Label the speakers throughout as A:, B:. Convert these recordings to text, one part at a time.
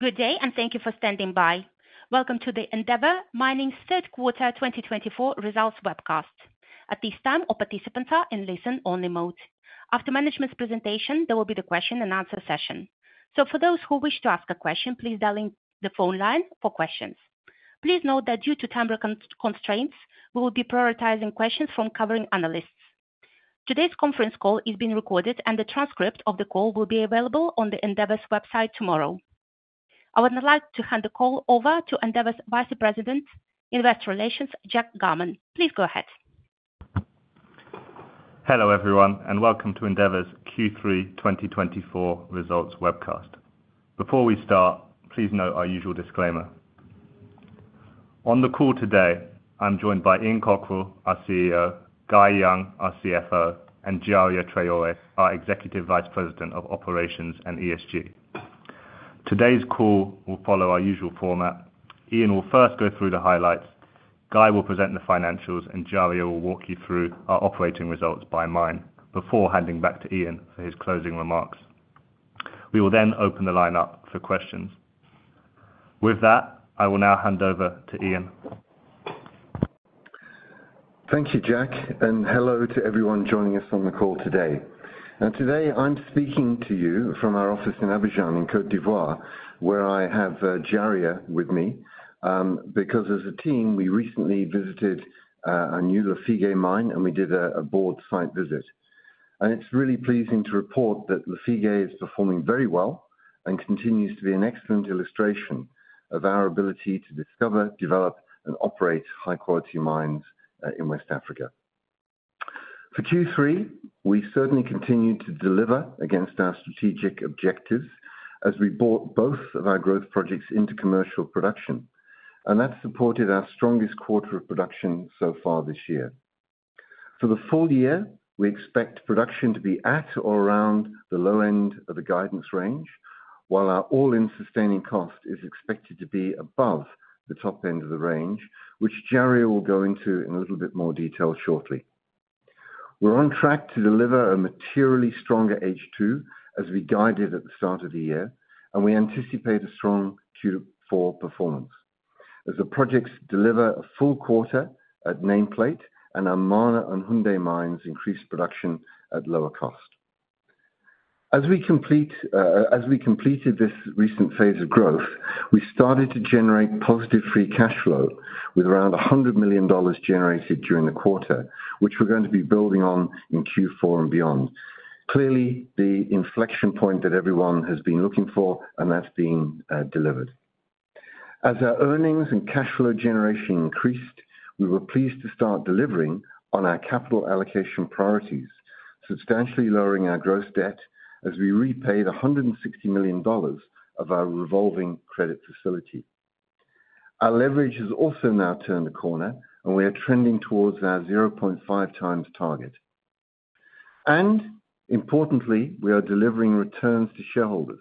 A: Good day, and thank you for standing by. Welcome to the Endeavour Mining's Third Quarter 2024 Results Webcast. At this time, all participants are in listen-only mode. After management's presentation, there will be the question-and-answer session. So, for those who wish to ask a question, please dial in the phone line for questions. Please note that due to time constraints, we will be prioritizing questions from covering analysts. Today's conference call is being recorded, and the transcript of the call will be available on the Endeavour's website tomorrow. I would now like to hand the call over to Endeavour's Vice President, Investor Relations, Jack Garman. Please go ahead.
B: Hello everyone, and welcome to Endeavour's Q3 2024 Results Webcast. Before we start, please note our usual disclaimer. On the call today, I'm joined by Ian Cockerill, our CEO, Guy Young, our CFO, and Djaria Traoré, our Executive Vice President of Operations and ESG. Today's call will follow our usual format. Ian will first go through the highlights, Guy will present the financials, and Djaria will walk you through our operating results by mine before handing back to Ian for his closing remarks. We will then open the line up for questions. With that, I will now hand over to Ian. Thank you, Jack, and hello to everyone joining us on the call today. Today, I'm speaking to you from our office in Abidjan, in Côte d'Ivoire, where I have Djaria with me, because as a team, we recently visited a new Lafigué mine and we did a board site visit, and it's really pleasing to report that Lafigué is performing very well and continues to be an excellent illustration of our ability to discover, develop, and operate high-quality mines in West Africa. For Q3, we certainly continued to deliver against our strategic objectives as we brought both of our growth projects into commercial production, and that supported our strongest quarter of production so far this year. For the full year, we expect production to be at or around the low end of the guidance range, while our all-in sustaining cost is expected to be above the top end of the range, which Djaria will go into in a little bit more detail shortly. We're on track to deliver a materially stronger H2 as we guided at the start of the year, and we anticipate a strong Q4 performance as the projects deliver a full quarter at nameplate and our Mana and Houndé mines increase production at lower cost. As we completed this recent phase of growth, we started to generate positive free cash flow with around $100 million generated during the quarter, which we're going to be building on in Q4 and beyond. Clearly, the inflection point that everyone has been looking for, and that's been delivered. As our earnings and cash flow generation increased, we were pleased to start delivering on our capital allocation priorities, substantially lowering our gross debt as we repay the $160 million of our revolving credit facility. Our leverage has also now turned the corner, and we are trending towards our 0.5 times target. And importantly, we are delivering returns to shareholders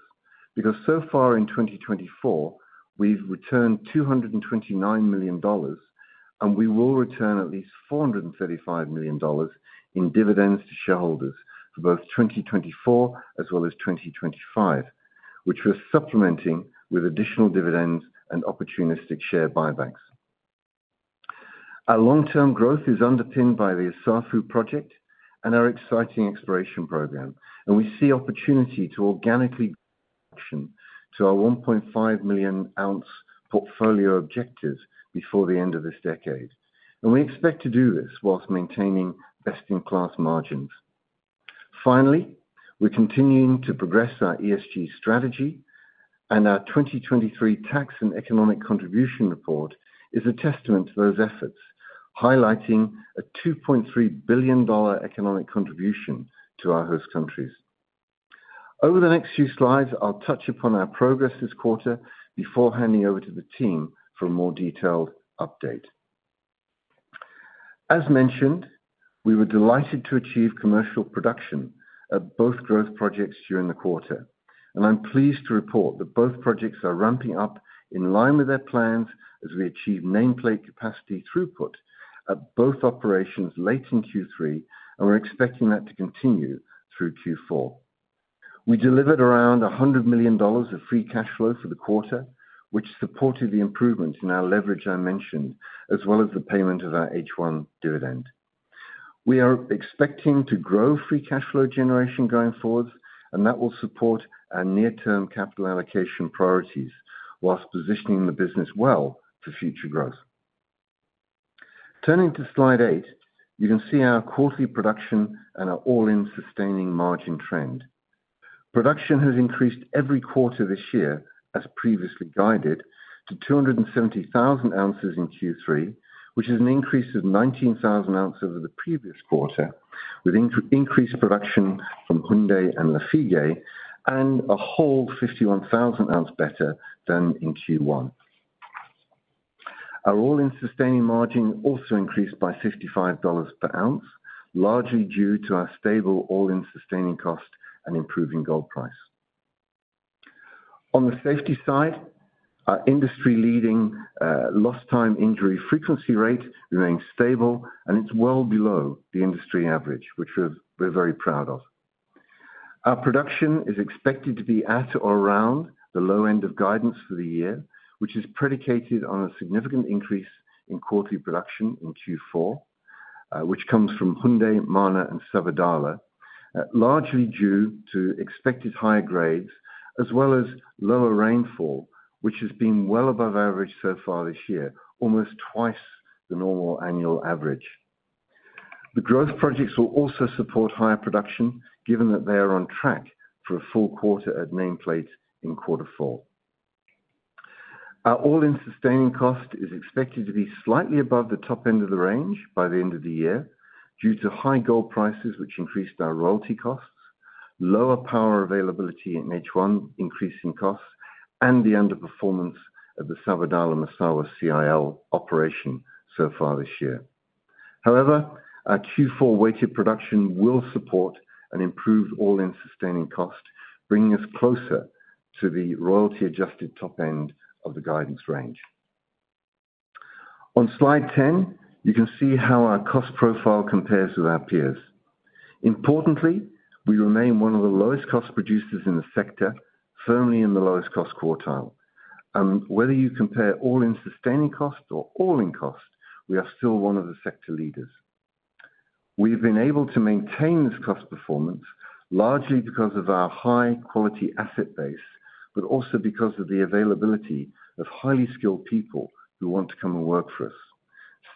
B: because so far in 2024, we've returned $229 million, and we will return at least $435 million in dividends to shareholders for both 2024 as well as 2025, which we're supplementing with additional dividends and opportunistic share buybacks. Our long-term growth is underpinned by the Assafou project and our exciting exploration program, and we see opportunity to organically action to our 1.5 million ounce portfolio objectives before the end of this decade. And we expect to do this whilst maintaining best-in-class margins. Finally, we're continuing to progress our ESG strategy, and our 2023 tax and economic contribution report is a testament to those efforts, highlighting a $2.3 billion economic contribution to our host countries. Over the next few slides, I'll touch upon our progress this quarter before handing over to the team for a more detailed update. As mentioned, we were delighted to achieve commercial production at both growth projects during the quarter, and I'm pleased to report that both projects are ramping up in line with their plans as we achieve nameplate capacity throughput at both operations late in Q3, and we're expecting that to continue through Q4. We delivered around $100 million of free cash flow for the quarter, which supported the improvements in our leverage I mentioned, as well as the payment of our H1 dividend. We are expecting to grow free cash flow generation going forward, and that will support our near-term capital allocation priorities while positioning the business well for future growth. Turning to slide eight, you can see our quarterly production and our all-in sustaining margin trend. Production has increased every quarter this year as previously guided to 270,000 ounces in Q3, which is an increase of 19,000 ounces over the previous quarter, with increased production from Houndé and Lafigué and a whole 51,000 ounces better than in Q1. Our all-in sustaining margin also increased by $55 per ounce, largely due to our stable all-in sustaining cost and improving gold price. On the safety side, our industry-leading lost-time injury frequency rate remains stable, and it's well below the industry average, which we're very proud of. Our production is expected to be at or around the low end of guidance for the year, which is predicated on a significant increase in quarterly production in Q4, which comes from Houndé, Mana, and Sabadola, largely due to expected higher grades as well as lower rainfall, which has been well above average so far this year, almost twice the normal annual average. The growth projects will also support higher production, given that they are on track for a full quarter at nameplate in Q4. Our all-in sustaining cost is expected to be slightly above the top end of the range by the end of the year due to high gold prices, which increased our royalty costs, lower power availability in H1, increasing costs, and the underperformance of the Sabadola-Massawa CIL operation so far this year. However, our Q4 weighted production will support an improved all-in sustaining cost, bringing us closer to the royalty-adjusted top end of the guidance range. On slide 10, you can see how our cost profile compares with our peers. Importantly, we remain one of the lowest cost producers in the sector, firmly in the lowest cost quartile. Whether you compare all-in sustaining cost or all-in cost, we are still one of the sector leaders. We've been able to maintain this cost performance largely because of our high-quality asset base, but also because of the availability of highly skilled people who want to come and work for us.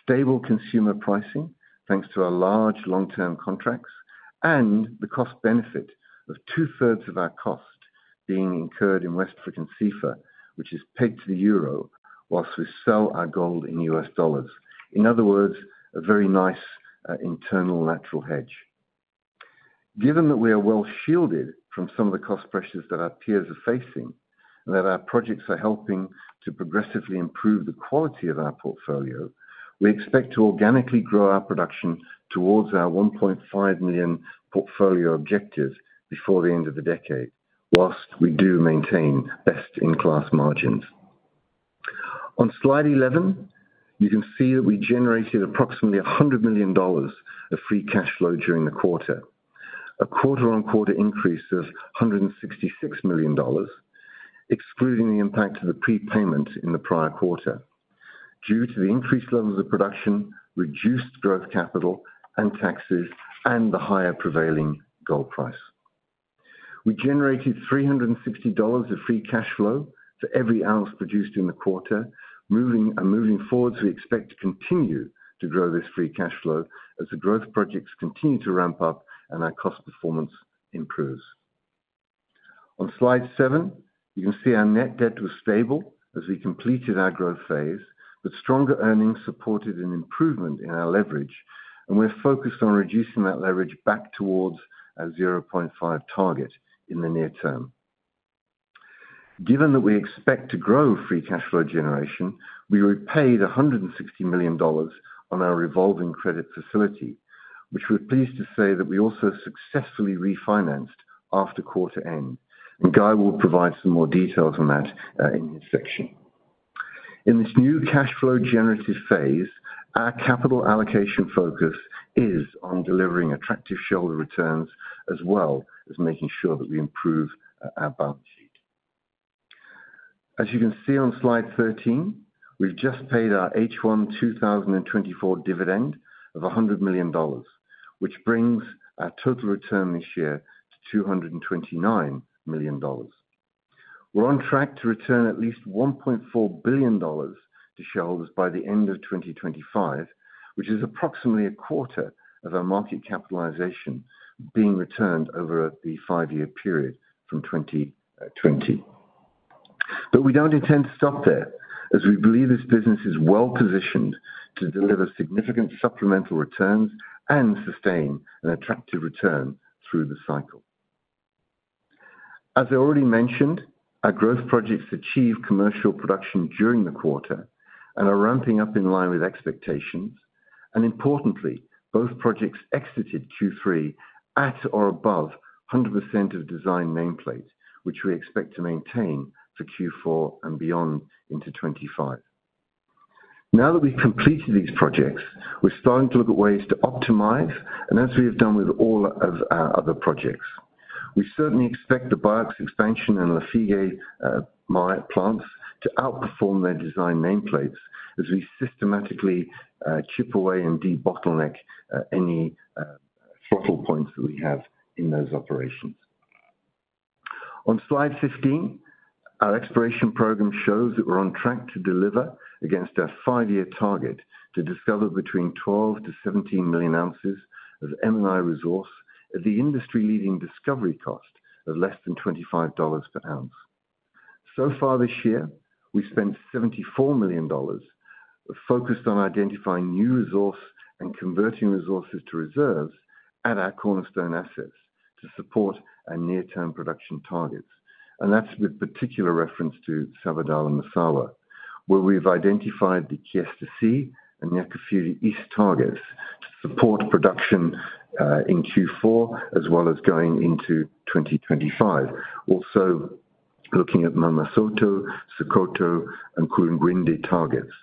B: Stable consumer pricing, thanks to our large long-term contracts, and the cost-benefit of two-thirds of our cost being incurred in West African CFA, which is pegged to the euro while we sell our gold in U.S. dollars. In other words, a very nice internal lateral hedge. Given that we are well shielded from some of the cost pressures that our peers are facing and that our projects are helping to progressively improve the quality of our portfolio, we expect to organically grow our production towards our 1.5 million portfolio objective before the end of the decade, whilst we do maintain best-in-class margins. On slide 11, you can see that we generated approximately $100 million of free cash flow during the quarter, a quarter-on-quarter increase of $166 million, excluding the impact of the prepayment in the prior quarter. Due to the increased levels of production, reduced growth capital, and taxes, and the higher prevailing gold price, we generated $360 of free cash flow for every ounce produced in the quarter. Moving forward, we expect to continue to grow this free cash flow as the growth projects continue to ramp up and our cost performance improves. On slide 7, you can see our net debt was stable as we completed our growth phase, but stronger earnings supported an improvement in our leverage, and we're focused on reducing that leverage back towards our 0.5 target in the near term. Given that we expect to grow free cash flow generation, we repaid $160 million on our revolving credit facility, which we're pleased to say that we also successfully refinanced after quarter end. And Guy will provide some more details on that in his section. In this new cash flow generative phase, our capital allocation focus is on delivering attractive shareholder returns as well as making sure that we improve our balance sheet. As you can see on slide 13, we've just paid our H1 2024 dividend of $100 million, which brings our total return this year to $229 million. We're on track to return at least $1.4 billion to shareholders by the end of 2025, which is approximately a quarter of our market capitalization being returned over the five-year period from 2020. But we don't intend to stop there, as we believe this business is well positioned to deliver significant supplemental returns and sustain an attractive return through the cycle. As I already mentioned, our growth projects achieved commercial production during the quarter and are ramping up in line with expectations. And importantly, both projects exited Q3 at or above 100% of design nameplate, which we expect to maintain for Q4 and beyond into 25. Now that we've completed these projects, we're starting to look at ways to optimize, and as we have done with all of our other projects. We certainly expect the BIOX expansion and Lafigué plant to outperform their design nameplates as we systematically chip away and de-bottleneck any throttle points that we have in those operations. On slide 15, our exploration program shows that we're on track to deliver against our five-year target to discover between 12 to 17 million ounces of M&I resource at the industry-leading discovery cost of less than $25 per ounce. So far this year, we spent $74 million focused on identifying new resource and converting resources to reserves at our cornerstone assets to support our near-term production targets, and that's with particular reference to Sabadola-Massawa, where we've identified the Kiestassi and Niakafiri East targets to support production in Q4 as well as going into 2025. Also looking at Mamasrato, Sekoto, and Kouroukoun targets.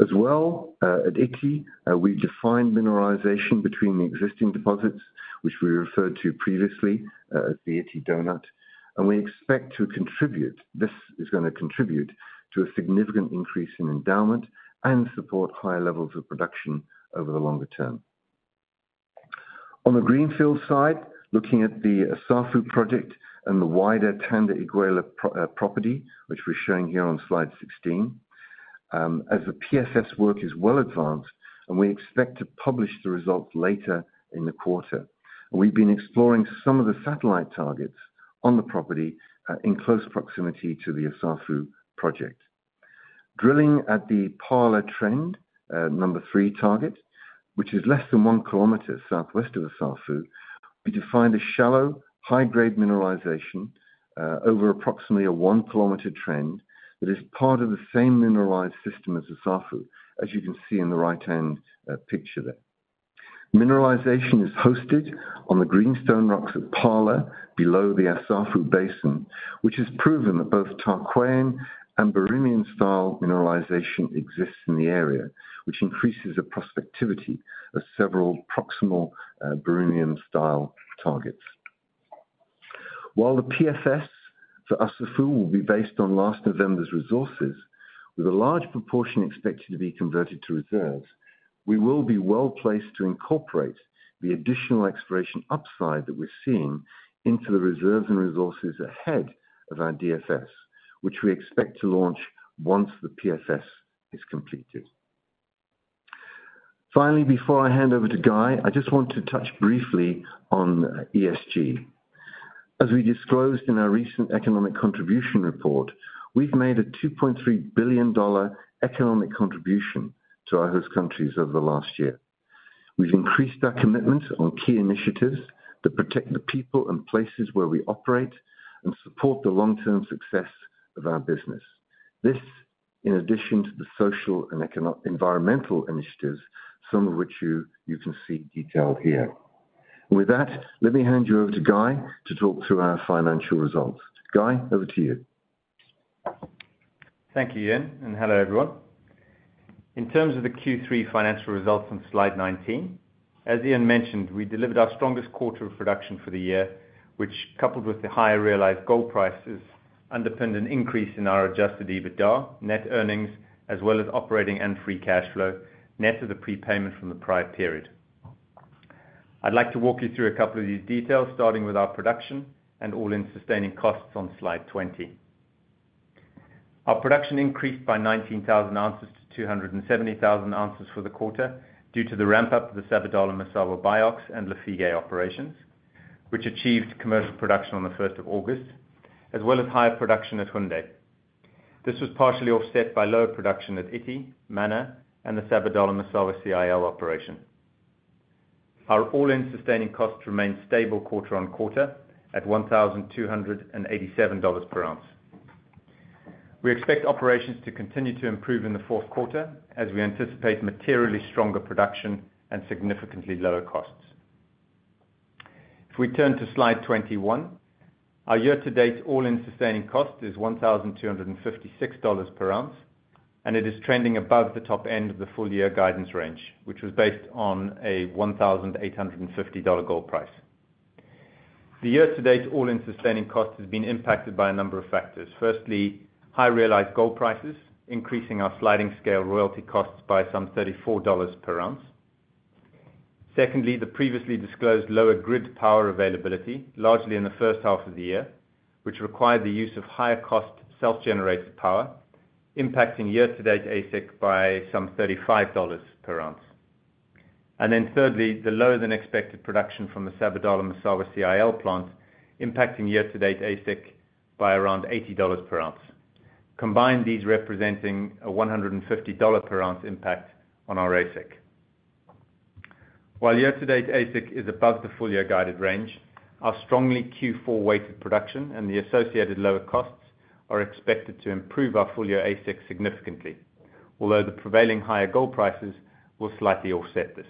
B: As well at Ity, we've defined mineralization between the existing deposits, which we referred to previously as the Ity Donut, and we expect to contribute; this is going to contribute to a significant increase in endowment and support higher levels of production over the longer term. On the greenfield side, looking at the Assafou project and the wider Tanda-Iguela property, which we're showing here on slide 16, as the PFS work is well advanced and we expect to publish the results later in the quarter. We've been exploring some of the satellite targets on the property in close proximity to the Assafou project. Drilling at the Pala Trend number three target, which is less than one kilometer southwest of Assafou, we define a shallow high-grade mineralization over approximately a one kilometer trend that is part of the same mineralized system as Assafou, as you can see in the right-hand picture there. Mineralization is hosted on the greenstone rocks of Pala below the Assafou basin, which has proven that both Tarkwaian and Birimian style mineralization exists in the area, which increases the prospectivity of several proximal Birimian style targets. While the PFS for Assafou will be based on last November's resources, with a large proportion expected to be converted to reserves, we will be well placed to incorporate the additional exploration upside that we're seeing into the reserves and resources ahead of our DFS, which we expect to launch once the PFS is completed. Finally, before I hand over to Guy, I just want to touch briefly on ESG. As we disclosed in our recent economic contribution report, we've made a $2.3 billion economic contribution to our host countries over the last year. We've increased our commitments on key initiatives that protect the people and places where we operate and support the long-term success of our business. This, in addition to the social and environmental initiatives, some of which you can see detailed here. With that, let me hand you over to Guy to talk through our financial results. Guy, over to you.
C: Thank you, Ian, and hello everyone. In terms of the Q3 financial results on slide 19, as Ian mentioned, we delivered our strongest quarter of production for the year, which, coupled with the higher realized gold prices, underpinned an increase in our adjusted EBITDA, net earnings, as well as operating and free cash flow, net of the prepayment from the prior period. I'd like to walk you through a couple of these details, starting with our production and all-in sustaining costs on slide 20. Our production increased by 19,000 ounces to 270,000 ounces for the quarter due to the ramp-up of the Sabadola-Massawa BIOX and Lafigué operations, which achieved commercial production on the 1st of August, as well as higher production at Houndé. This was partially offset by lower production at Ity, Mana, and the Sabadola-Massawa CIL operation. Our all-in sustaining cost remained stable quarter on quarter at $1,287 per ounce. We expect operations to continue to improve in the fourth quarter, as we anticipate materially stronger production and significantly lower costs. If we turn to slide 21, our year-to-date all-in sustaining cost is $1,256 per ounce, and it is trending above the top end of the full-year guidance range, which was based on a $1,850 gold price. The year-to-date all-in sustaining cost has been impacted by a number of factors. Firstly, high realized gold prices, increasing our sliding scale royalty costs by some $34 per ounce. Secondly, the previously disclosed lower grid power availability, largely in the first half of the year, which required the use of higher-cost self-generated power, impacting year-to-date AISC by some $35 per ounce. And then thirdly, the lower-than-expected production from the Sabadola-Massawa CIL plant, impacting year-to-date AISC by around $80 per ounce. Combined, these represent a $150 per ounce impact on our AISC. While year-to-date AISC is above the full-year guided range, our strongly Q4-weighted production and the associated lower costs are expected to improve our full-year AISC significantly, although the prevailing higher gold prices will slightly offset this.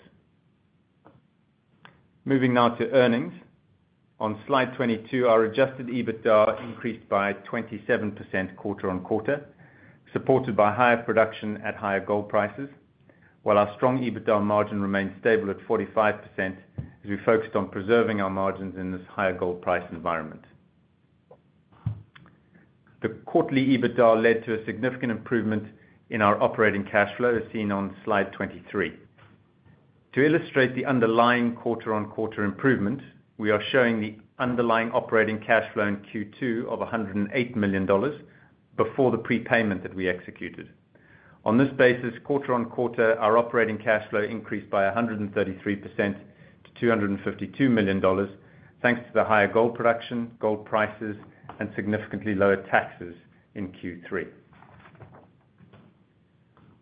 C: Moving now to earnings. On slide 22, our adjusted EBITDA increased by 27% quarter on quarter, supported by higher production at higher gold prices, while our strong EBITDA margin remained stable at 45% as we focused on preserving our margins in this higher gold price environment. The quarterly EBITDA led to a significant improvement in our operating cash flow, as seen on slide 23. To illustrate the underlying quarter-on-quarter improvement, we are showing the underlying operating cash flow in Q2 of $108 million before the prepayment that we executed. On this basis, quarter-on-quarter, our operating cash flow increased by 133% to $252 million, thanks to the higher gold production, gold prices, and significantly lower taxes in Q3.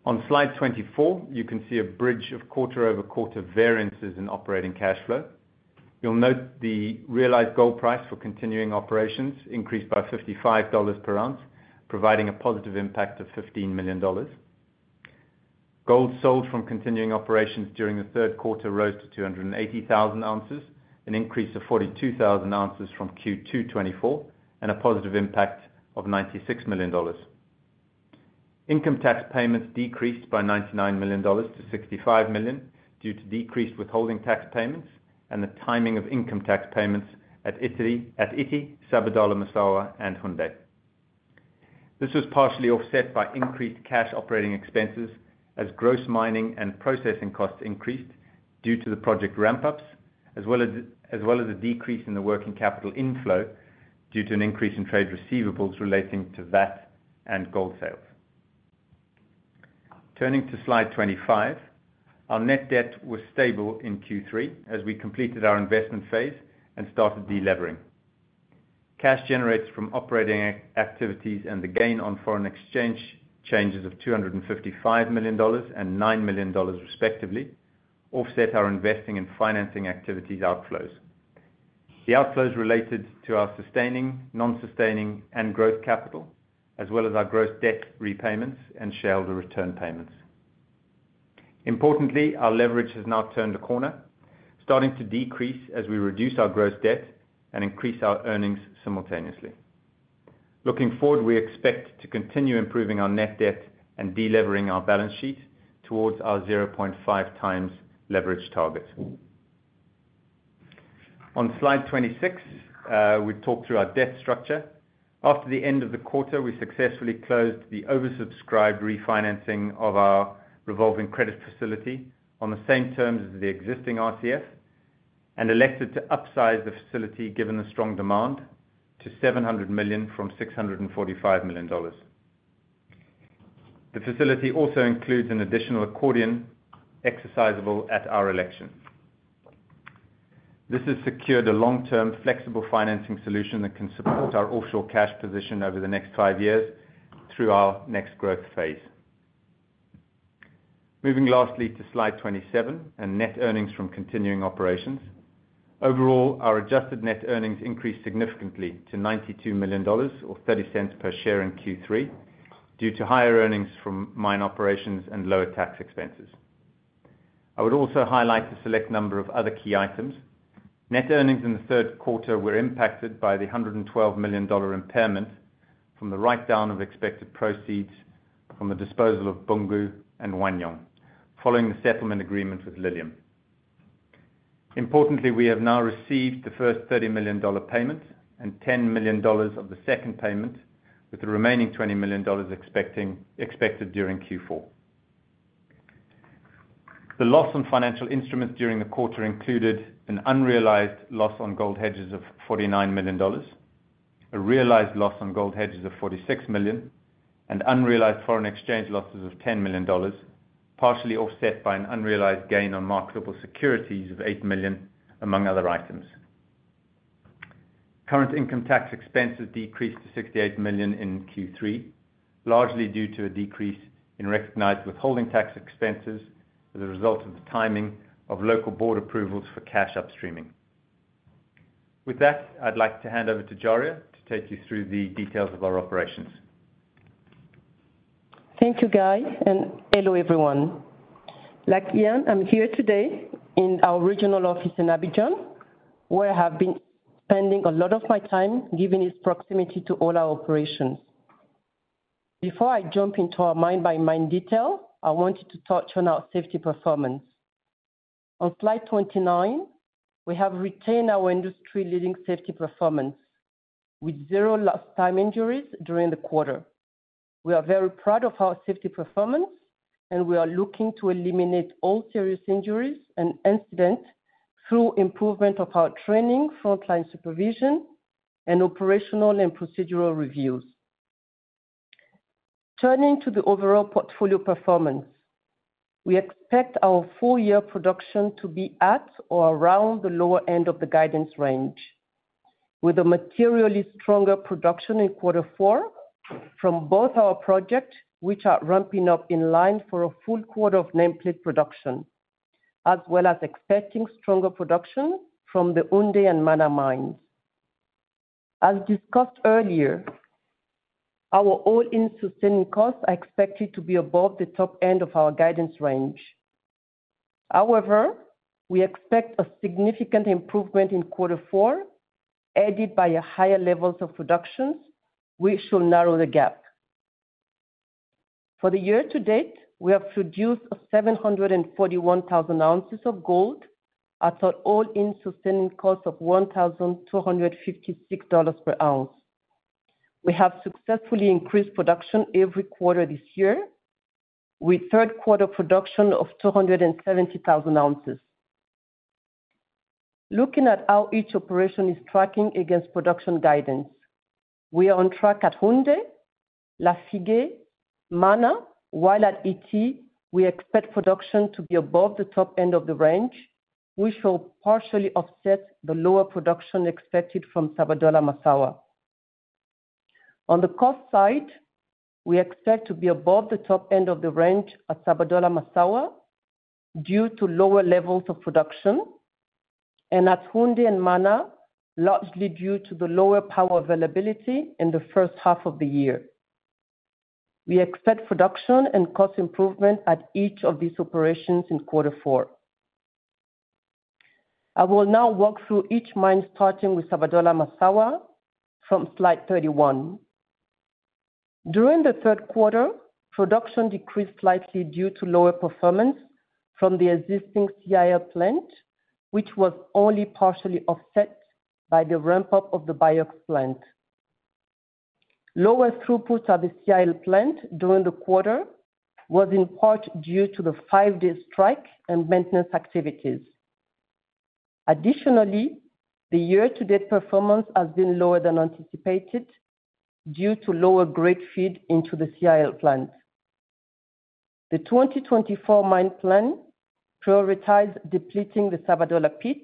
C: On slide 24, you can see a bridge of quarter-over-quarter variances in operating cash flow. You'll note the realized gold price for continuing operations increased by $55 per ounce, providing a positive impact of $15 million. Gold sold from continuing operations during the third quarter rose to 280,000 ounces, an increase of 42,000 ounces from Q2 2024, and a positive impact of $96 million. Income tax payments decreased by $99 million to $65 million due to decreased withholding tax payments and the timing of income tax payments at Ity, Sabadola-Massawa, and Houndé. This was partially offset by increased cash operating expenses as gross mining and processing costs increased due to the project ramp-ups, as well as a decrease in the working capital inflow due to an increase in trade receivables relating to VAT and gold sales. Turning to slide 25, our net debt was stable in Q3 as we completed our investment phase and started delevering. Cash generated from operating activities and the gain on foreign exchange changes of $255 million and $9 million, respectively, offset our investing and financing activities outflows. The outflows related to our sustaining, non-sustaining, and growth capital, as well as our gross debt repayments and shareholder return payments. Importantly, our leverage has now turned a corner, starting to decrease as we reduce our gross debt and increase our earnings simultaneously. Looking forward, we expect to continue improving our net debt and delevering our balance sheet towards our 0.5 times leverage target. On slide 26, we talked through our debt structure. After the end of the quarter, we successfully closed the oversubscribed refinancing of our revolving credit facility on the same terms as the existing RCF and elected to upsize the facility given the strong demand to $700 million from $645 million. The facility also includes an additional accordion exercisable at our election. This has secured a long-term flexible financing solution that can support our offshore cash position over the next five years through our next growth phase. Moving lastly to slide 27 and net earnings from continuing operations. Overall, our adjusted net earnings increased significantly to $92 million or $0.30 per share in Q3 due to higher earnings from mine operations and lower tax expenses. I would also highlight a select number of other key items. Net earnings in the third quarter were impacted by the $112 million impairment from the write-down of expected proceeds from the disposal of Boungou and Wahgnion, following the settlement agreement with Lilium Mining. Importantly, we have now received the first $30 million payment and $10 million of the second payment, with the remaining $20 million expected during Q4. The loss on financial instruments during the quarter included an unrealized loss on gold hedges of $49 million, a realized loss on gold hedges of $46 million, and unrealized foreign exchange losses of $10 million, partially offset by an unrealized gain on marketable securities of $8 million, among other items. Current income tax expenses decreased to $68 million in Q3, largely due to a decrease in recognized withholding tax expenses as a result of the timing of local board approvals for cash upstreaming. With that, I'd like to hand over to Djaria to take you through the details of our operations.
D: Thank you, Guy, and hello everyone. Like Ian, I'm here today in our regional office in Abidjan, where I have been spending a lot of my time given its proximity to all our operations. Before I jump into our mine-by-mine detail, I wanted to touch on our safety performance. On slide 29, we have retained our industry-leading safety performance, with zero lost-time injuries during the quarter. We are very proud of our safety performance, and we are looking to eliminate all serious injuries and incidents through improvement of our training, frontline supervision, and operational and procedural reviews. Turning to the overall portfolio performance, we expect our full-year production to be at or around the lower end of the guidance range, with a materially stronger production in quarter four from both our projects, which are ramping up in line for a full quarter of nameplate production, as well as expecting stronger production from the Houndé and Mana mines. As discussed earlier, our all-in sustaining costs are expected to be above the top end of our guidance range. However, we expect a significant improvement in quarter four, aided by higher levels of productions, which will narrow the gap. For the year-to-date, we have produced 741,000 ounces of gold at our all-in sustaining cost of $1,256 per ounce. We have successfully increased production every quarter this year, with third-quarter production of 270,000 ounces. Looking at how each operation is tracking against production guidance, we are on track at Houndé, Lafigué, Mana, while at Ity, we expect production to be above the top end of the range, which will partially offset the lower production expected from Sabadola-Massawa. On the cost side, we expect to be above the top end of the range at Sabadola-Massawa due to lower levels of production, and at Houndé and Mana, largely due to the lower power availability in the first half of the year. We expect production and cost improvement at each of these operations in quarter four. I will now walk through each mine, starting with Sabadola-Massawa from slide 31. During the third quarter, production decreased slightly due to lower performance from the existing CIL plant, which was only partially offset by the ramp-up of the BIOX plant. Lower throughput at the CIL plant during the quarter was in part due to the five-day strike and maintenance activities. Additionally, the year-to-date performance has been lower than anticipated due to lower grade feed into the CIL plant. The 2024 mine plan prioritized depleting the Sabadola pit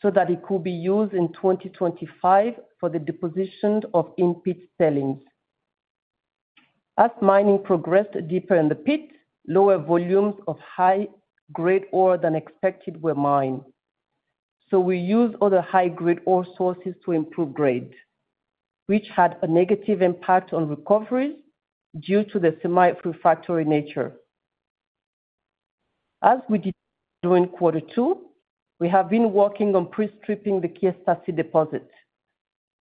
D: so that it could be used in 2025 for the deposition of in-pit tailings. As mining progressed deeper in the pit, lower volumes of high-grade ore than expected were mined, so we used other high-grade ore sources to improve grade, which had a negative impact on recoveries due to the semi-refractory nature. As we did during quarter two, we have been working on pre-stripping the Kiestassi deposit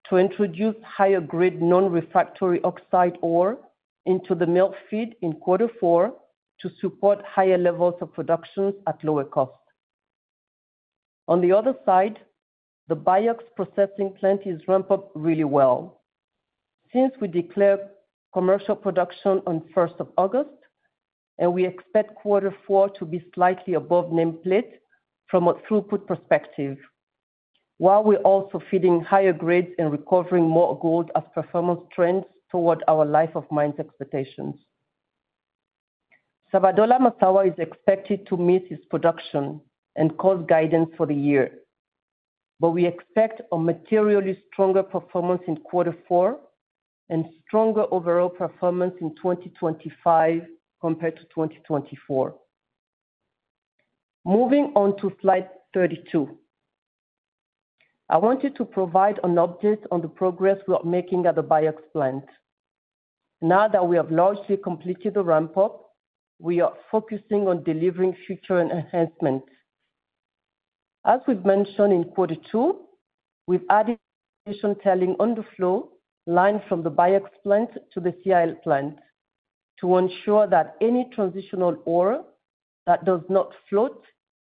D: to introduce higher-grade non-refractory oxide ore into the mill feed in quarter four to support higher levels of production at lower cost. On the other side, the BIOX processing plant is ramped up really well since we declared commercial production on 1 August, and we expect quarter four to be slightly above nameplate from a throughput perspective, while we're also feeding higher grades and recovering more gold as performance trends toward our life-of-mine expectations. Sabadola-Massawa is expected to meet its production and cost guidance for the year, but we expect a materially stronger performance in quarter four and stronger overall performance in 2025 compared to 2024. Moving on to slide 32, I wanted to provide an update on the progress we are making at the BIOX plant. Now that we have largely completed the ramp-up, we are focusing on delivering future enhancements. As we've mentioned in quarter two, we've added additional tailings underflow lines from the BIOX plant to the CIL plant to ensure that any transitional ore that does not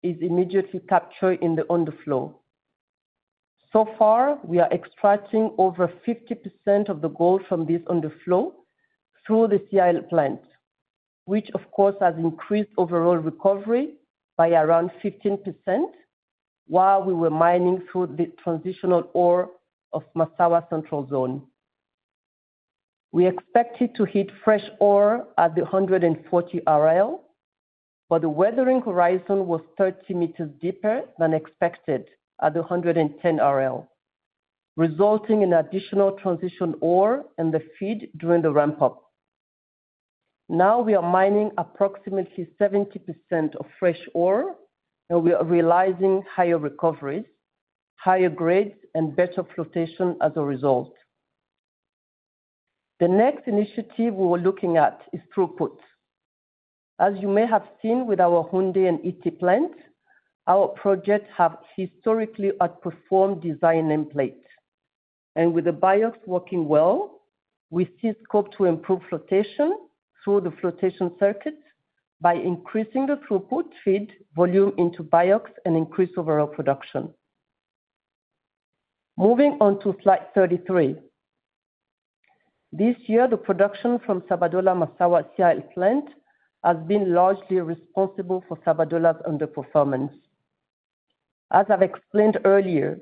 D: float is immediately captured in the underflow. So far, we are extracting over 50% of the gold from this underflow through the CIL plant, which, of course, has increased overall recovery by around 15% while we were mining through the transitional ore of Massawa Central Zone. We expected to hit fresh ore at the 140 RL, but the weathering horizon was 30 meters deeper than expected at the 110 RL, resulting in additional transitional ore in the feed during the ramp-up. Now we are mining approximately 70% of fresh ore, and we are realizing higher recoveries, higher grades, and better flotation as a result. The next initiative we were looking at is throughput. As you may have seen with our Houndé and Ity plants, our projects have historically outperformed design nameplate. With the BIOX working well, we see scope to improve flotation through the flotation circuits by increasing the throughput feed volume into BIOX and increase overall production. Moving on to slide 33, this year, the production from Sabadola-Massawa CIL plant has been largely responsible for Sabadola's underperformance. As I've explained earlier,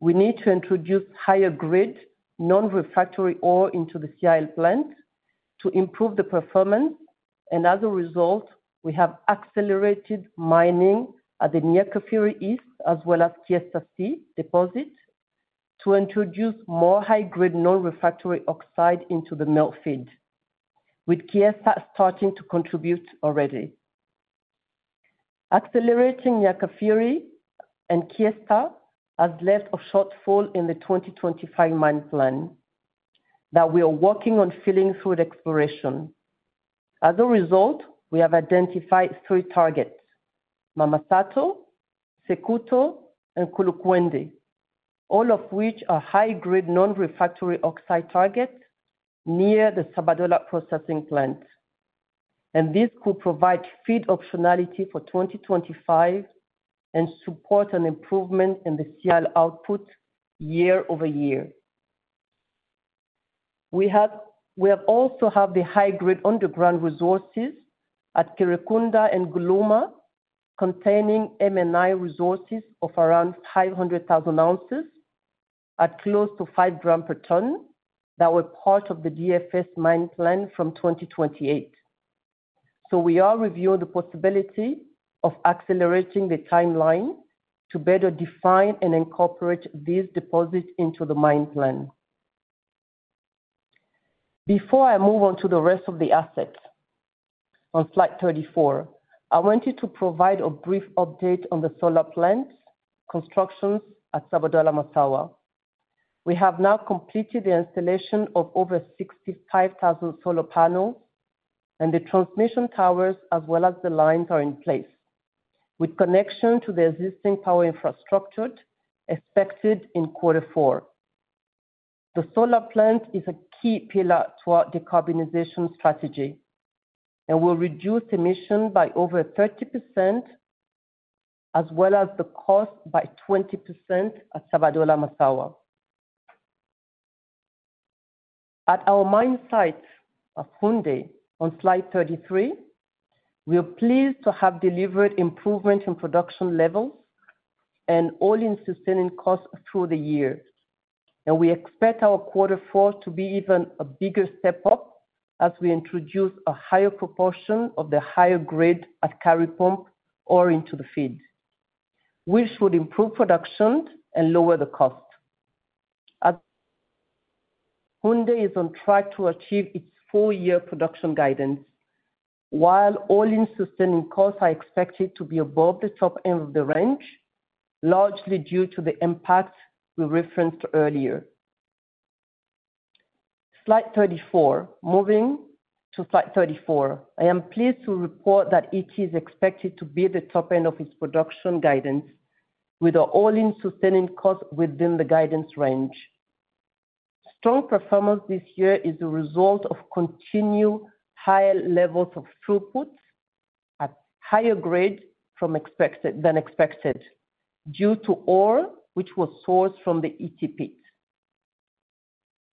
D: we need to introduce higher-grade, non-refractory ore into the CIL plant to improve the performance, and as a result, we have accelerated mining at the Niakafiri East, as well as Kiestassi deposit, to introduce more high-grade, non-refractory oxide into the mill feed, with Kiestassi starting to contribute already. Accelerating Niakafiri and Kiestassi has left a shortfall in the 2025 mine plan that we are working on filling through the exploration. As a result, we have identified three targets: Mamasrato, Sekoto, and Kouroukoun, all of which are high-grade, non-refractory oxide targets near the Sabadola processing plant, and this could provide feed optionality for 2025 and support an improvement in the CIL output year-over-year. We have also had the high-grade underground resources at Kurekunda and Gouloum, containing M&I resources of around 500,000 ounces at close to 5 grams per ton that were part of the DFS mine plan from 2028, so we are reviewing the possibility of accelerating the timeline to better define and incorporate these deposits into the mine plan. Before I move on to the rest of the assets, on slide 34, I wanted to provide a brief update on the solar plant constructions at Sabadola-Massawa. We have now completed the installation of over 65,000 solar panels, and the transmission towers, as well as the lines, are in place, with connection to the existing power infrastructure expected in quarter four. The solar plant is a key pillar to our decarbonization strategy and will reduce emissions by over 30%, as well as the cost by 20% at Sabadola-Massawa. At our mine sites of Houndé, on slide 33, we are pleased to have delivered improvements in production levels and all-in sustaining costs through the year. And we expect our quarter four to be even a bigger step up as we introduce a higher proportion of the higher grade at Kari Pump ore into the feed, which would improve production and lower the cost. Houndé is on track to achieve its full-year production guidance, while all-in sustaining costs are expected to be above the top end of the range, largely due to the impact we referenced earlier. Slide 34. Moving to slide 34, I am pleased to report that Ity is expected to be at the top end of its production guidance, with all-in sustaining costs within the guidance range. Strong performance this year is a result of continued higher levels of throughput at higher grade than expected due to ore which was sourced from the Ity pit.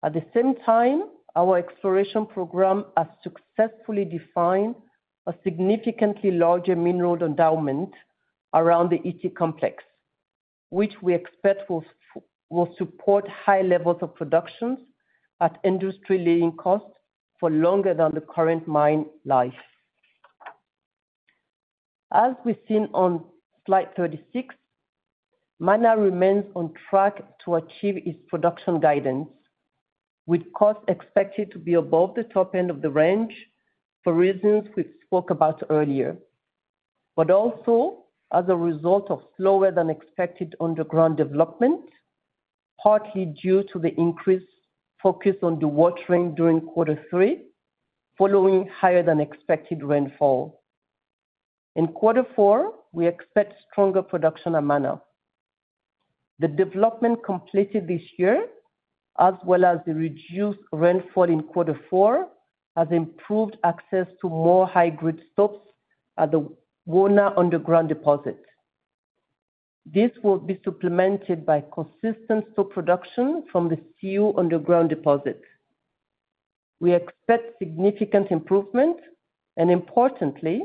D: At the same time, our exploration program has successfully defined a significantly larger mineral endowment around the Ity complex, which we expect will support high levels of productions at industry-leading costs for longer than the current mine life. As we've seen on slide 36, Mana remains on track to achieve its production guidance, with costs expected to be above the top end of the range for reasons we spoke about earlier, but also as a result of slower-than-expected underground development, partly due to the increased focus on dewatering during quarter three, following higher-than-expected rainfall. In quarter four, we expect stronger production at Mana. The development completed this year, as well as the reduced rainfall in quarter four, has improved access to more high-grade stopes at the Wona underground deposit. This will be supplemented by consistent stope production from the Siou underground deposit. We expect significant improvement, and importantly,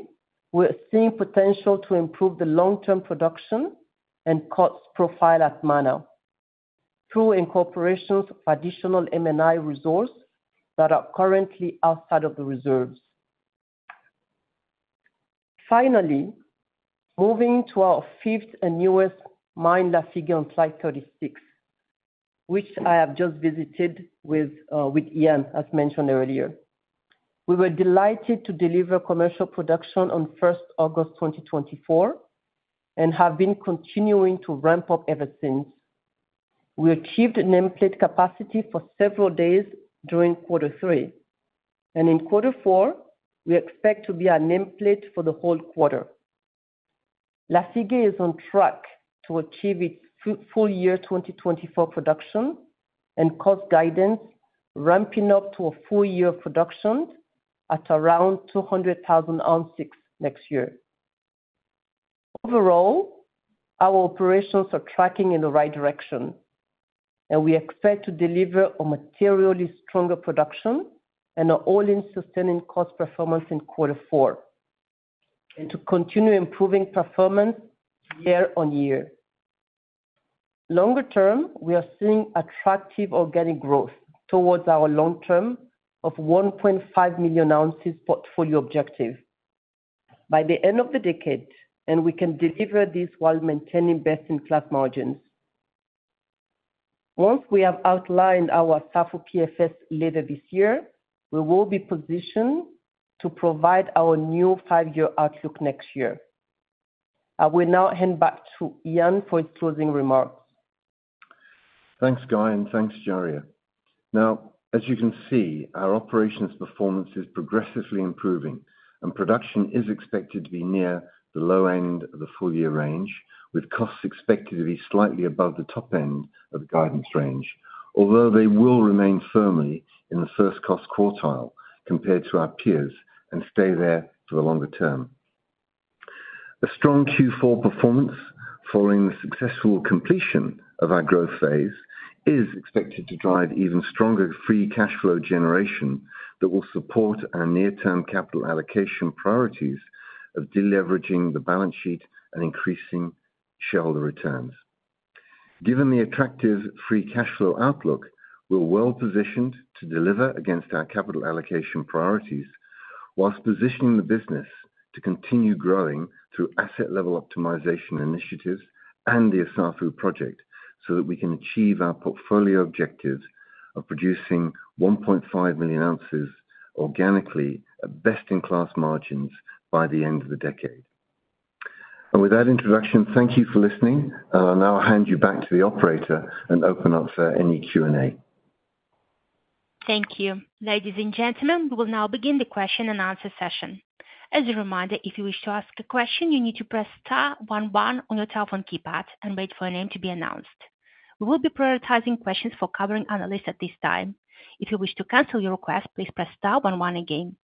D: we're seeing potential to improve the long-term production and cost profile at Mana through incorporation of additional M&I resources that are currently outside of the reserves. Finally, moving to our fifth and newest mine, Lafigué, on slide 36, which I have just visited with Ian, as mentioned earlier. We were delighted to deliver commercial production on 1 August 2024 and have been continuing to ramp up ever since. We achieved nameplate capacity for several days during quarter three, and in quarter four, we expect to be at nameplate for the whole quarter. Lafigué is on track to achieve its full-year 2024 production and cost guidance, ramping up to a full-year production at around 200,000 ounces next year. Overall, our operations are tracking in the right direction, and we expect to deliver a materially stronger production and an all-in sustaining cost performance in quarter four, and to continue improving performance year-on-year. Longer term, we are seeing attractive organic growth towards our long-term of 1.5 million ounces portfolio objective by the end of the decade, and we can deliver this while maintaining best-in-class margins. Once we have outlined our Assafou PFS later this year, we will be positioned to provide our new five-year outlook next year. I will now hand back to Ian for his closing remarks.
B: Thanks, Guy, and thanks, Djaria. Now, as you can see, our operations performance is progressively improving, and production is expected to be near the low end of the full-year range, with costs expected to be slightly above the top end of the guidance range, although they will remain firmly in the first cost quartile compared to our peers and stay there for the longer term. A strong Q4 performance following the successful completion of our growth phase is expected to drive even stronger free cash flow generation that will support our near-term capital allocation priorities of deleveraging the balance sheet and increasing shareholder returns. Given the attractive free cash flow outlook, we're well positioned to deliver against our capital allocation priorities while positioning the business to continue growing through asset-level optimization initiatives and the Assafou project so that we can achieve our portfolio objectives of producing 1.5 million ounces organically at best-in-class margins by the end of the decade, and with that introduction, thank you for listening. I'll now hand you back to the operator and open up for any Q&A.
A: Thank you. Ladies and gentlemen, we will now begin the question and answer session. As a reminder, if you wish to ask a question, you need to press star 11 on your telephone keypad and wait for a name to be announced. We will be prioritizing questions for covering analysts at this time. If you wish to cancel your request, please press star 11 again.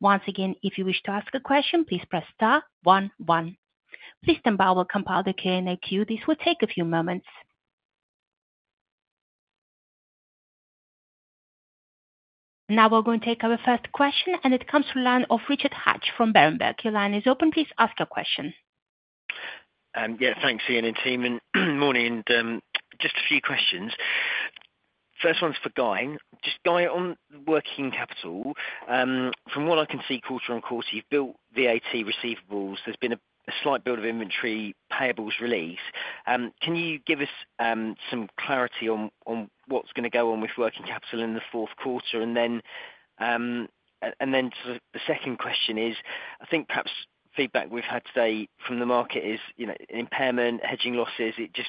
A: Once again, if you wish to ask a question, please press star 11. Please stand by while we'll compile the Q&A queue. This will take a few moments. Now we're going to take our first question, and it comes from the line of Richard Hatch from Berenberg. Your line is open. Please ask your question.
E: Yeah, thanks, Ian, and team. And morning. Just a few questions. First one's for Guy. Just Guy on working capital. From what I can see, quarter on quarter, you've built VAT receivables. There's been a slight build of inventory payables release. Can you give us some clarity on what's going to go on with working capital in the fourth quarter? And then sort of the second question is, I think perhaps feedback we've had today from the market is impairment, hedging losses. It just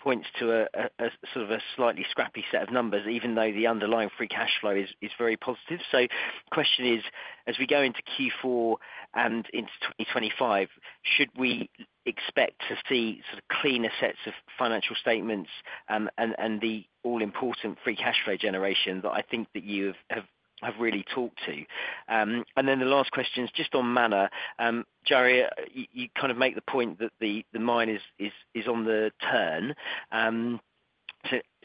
E: points to a sort of a slightly scrappy set of numbers, even though the underlying free cash flow is very positive. So the question is, as we go into Q4 and into 2025, should we expect to see sort of cleaner sets of financial statements and the all-important free cash flow generation that I think that you have really talked to? And then the last question is just on Mana. Djaria, you kind of make the point that the mine is on the turn.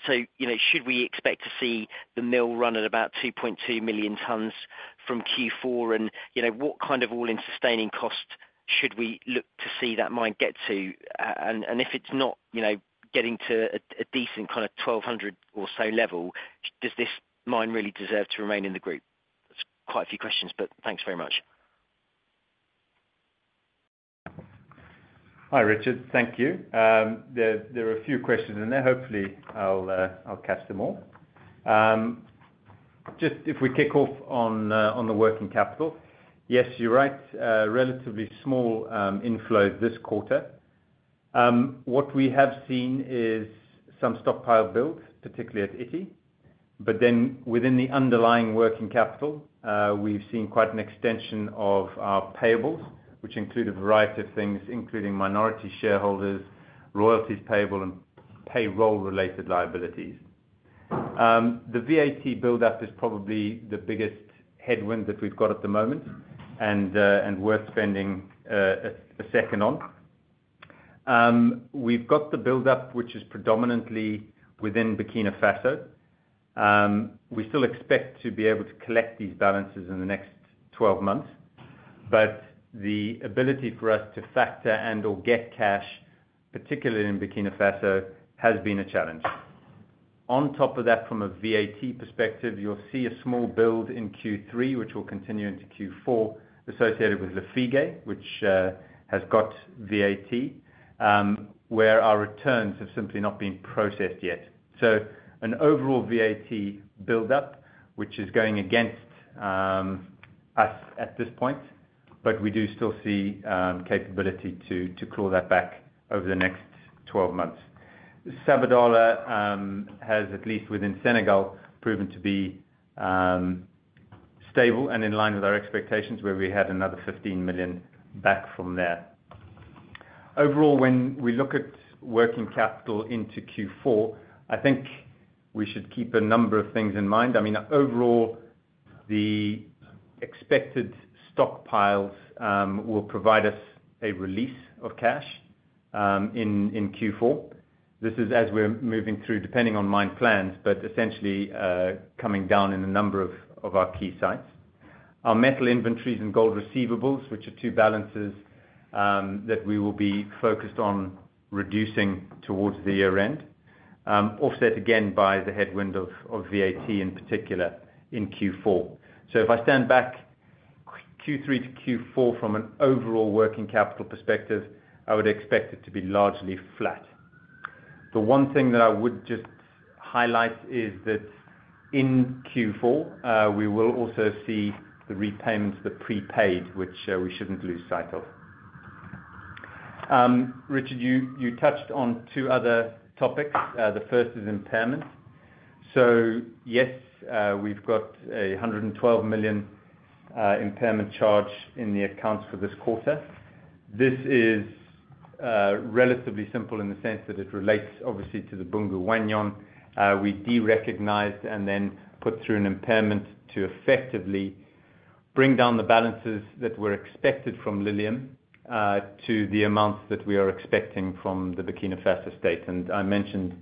E: So should we expect to see the mill run at about 2.2 million tons from Q4? And what kind of all-in sustaining costs should we look to see that mine get to? And if it's not getting to a decent kind of $1,200 or so level, does this mine really deserve to remain in the group? That's quite a few questions, but thanks very much.
C: Hi, Richard. Thank you. There are a few questions in there. Hopefully, I'll catch them all. Just if we kick off on the working capital, yes, you're right. Relatively small inflow this quarter. What we have seen is some stockpile build, particularly at Ity. But then within the underlying working capital, we've seen quite an extension of our payables, which include a variety of things, including minority shareholders, royalties payable, and payroll-related liabilities. The VAT build-up is probably the biggest headwind that we've got at the moment and worth spending a second on. We've got the build-up, which is predominantly within Burkina Faso. We still expect to be able to collect these balances in the next 12 months, but the ability for us to factor and/or get cash, particularly in Burkina Faso, has been a challenge. On top of that, from a VAT perspective, you'll see a small build in Q3, which will continue into Q4, associated with Lafigué, which has got VAT, where our returns have simply not been processed yet. So an overall VAT build-up, which is going against us at this point, but we do still see capability to claw that back over the next 12 months. Sabadola has, at least within Senegal, proven to be stable and in line with our expectations, where we had another $15 million back from there. Overall, when we look at working capital into Q4, I think we should keep a number of things in mind. I mean, overall, the expected stockpiles will provide us a release of cash in Q4. This is as we're moving through, depending on mine plans, but essentially coming down in the number of our key sites. Our metal inventories and gold receivables, which are two balances that we will be focused on reducing towards the year-end, offset again by the headwind of VAT in particular in Q4. So if I stand back Q3 to Q4 from an overall working capital perspective, I would expect it to be largely flat. The one thing that I would just highlight is that in Q4, we will also see the repayments that are prepaid, which we shouldn't lose sight of. Richard, you touched on two other topics. The first is impairment. Yes, we've got a $112 million impairment charge in the accounts for this quarter. This is relatively simple in the sense that it relates, obviously, to the Boungou and Wahgnion. We derecognized and then put through an impairment to effectively bring down the balances that were expected from Lilium to the amounts that we are expecting from the Burkina Faso state. And I mentioned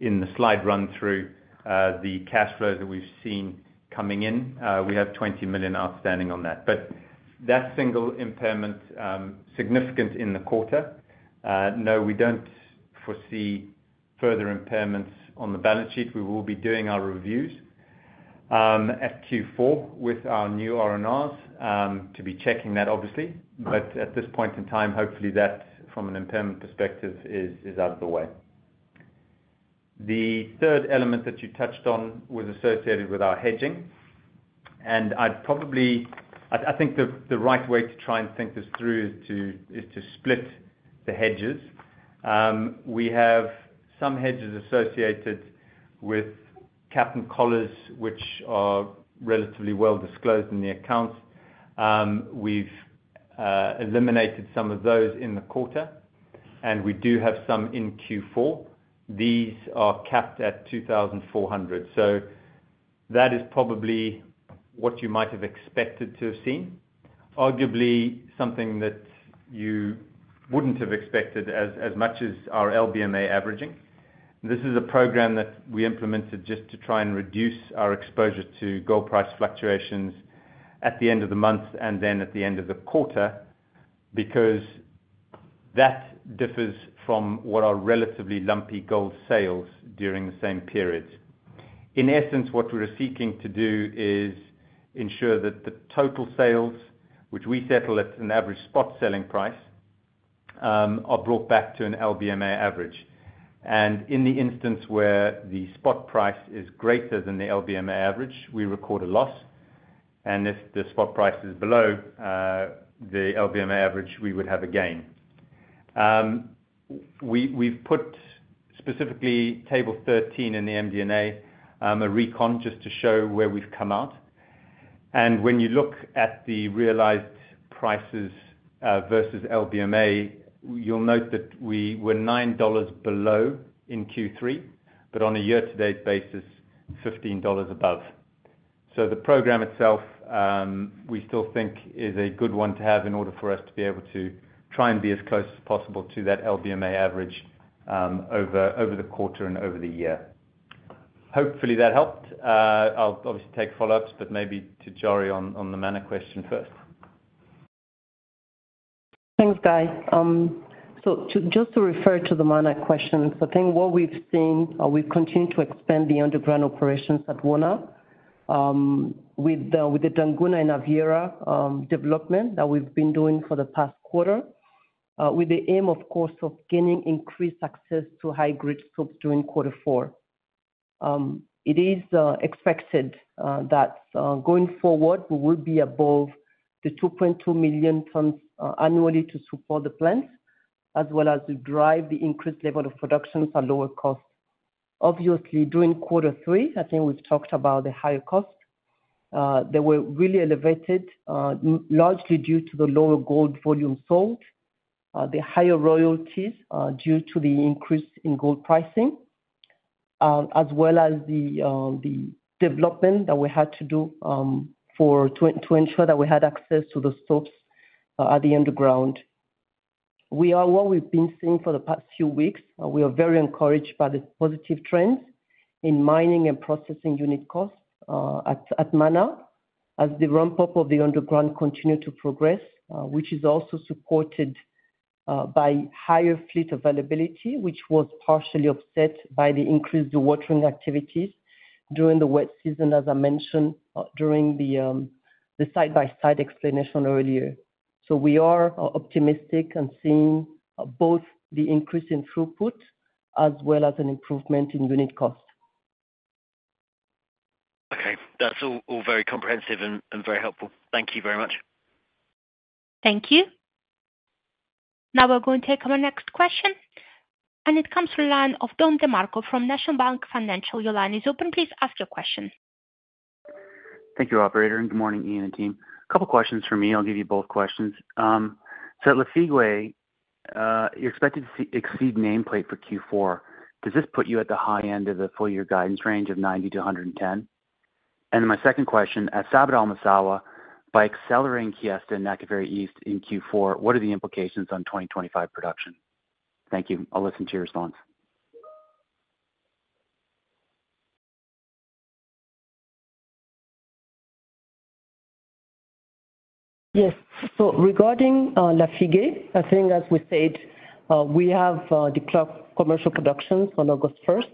C: in the slide run-through the cash flows that we've seen coming in. We have $20 million outstanding on that. But that single impairment, significant in the quarter, no, we don't foresee further impairments on the balance sheet. We will be doing our reviews at Q4 with our new R&Rs to be checking that, obviously. But at this point in time, hopefully, that from an impairment perspective is out of the way. The third element that you touched on was associated with our hedging. And I think the right way to try and think this through is to split the hedges. We have some hedges associated with collars, which are relatively well disclosed in the accounts. We've eliminated some of those in the quarter, and we do have some in Q4. These are capped at 2,400. So that is probably what you might have expected to have seen, arguably something that you wouldn't have expected as much as our LBMA averaging. This is a program that we implemented just to try and reduce our exposure to gold price fluctuations at the end of the month and then at the end of the quarter because that differs from what are relatively lumpy gold sales during the same period. In essence, what we're seeking to do is ensure that the total sales, which we settle at an average spot selling price, are brought back to an LBMA average, and in the instance where the spot price is greater than the LBMA average, we record a loss, and if the spot price is below the LBMA average, we would have a gain. We've put specifically table 13 in the MD&A a reconciliation just to show where we've come out, and when you look at the realized prices versus LBMA, you'll note that we were $9 below in Q3, but on a year-to-date basis, $15 above, so the program itself, we still think, is a good one to have in order for us to be able to try and be as close as possible to that LBMA average over the quarter and over the year. Hopefully, that helped. I'll obviously take follow-ups, but maybe to Djaria on the Mana question first.
D: Thanks, Guy. So just to refer to the Mana question, so I think what we've seen are we've continued to expand the underground operations at Mana with the Dangouna and Avira development that we've been doing for the past quarter with the aim, of course, of gaining increased access to high-grade stopes during quarter four. It is expected that going forward, we will be above the 2.2 million tons annually to support the plants, as well as to drive the increased level of production for lower costs. Obviously, during quarter three, I think we've talked about the higher costs. They were really elevated, largely due to the lower gold volume sold, the higher royalties due to the increase in gold pricing, as well as the development that we had to do to ensure that we had access to the stopes at the underground. What we've been seeing for the past few weeks, we are very encouraged by the positive trends in mining and processing unit costs at Mana as the ramp-up of the underground continued to progress, which is also supported by higher fleet availability, which was partially offset by the increased dewatering activities during the wet season, as I mentioned during the site-by-site explanation earlier. We are optimistic and seeing both the increase in throughput as well as an improvement in unit costs.
E: Okay. That's all very comprehensive and very helpful. Thank you very much.
A: Thank you. Now we're going to take our next question. It comes from line of Don DeMarco from National Bank Financial. Your line is open. Please ask your question.
F: Thank you, Operator. Good morning, Ian and team. A couple of questions for me. I'll give you both questions. At Lafigué, you're expected to exceed nameplate for Q4. Does this put you at the high end of the full-year guidance range of 90 to 110? And then my second question, at Sabadola-Massawa, by accelerating Kiestassi and Niakafiri East in Q4, what are the implications on 2025 production? Thank you. I'll listen to your response.
D: Yes. Regarding Lafigué, I think, as we said, we have declared commercial production on August 1st,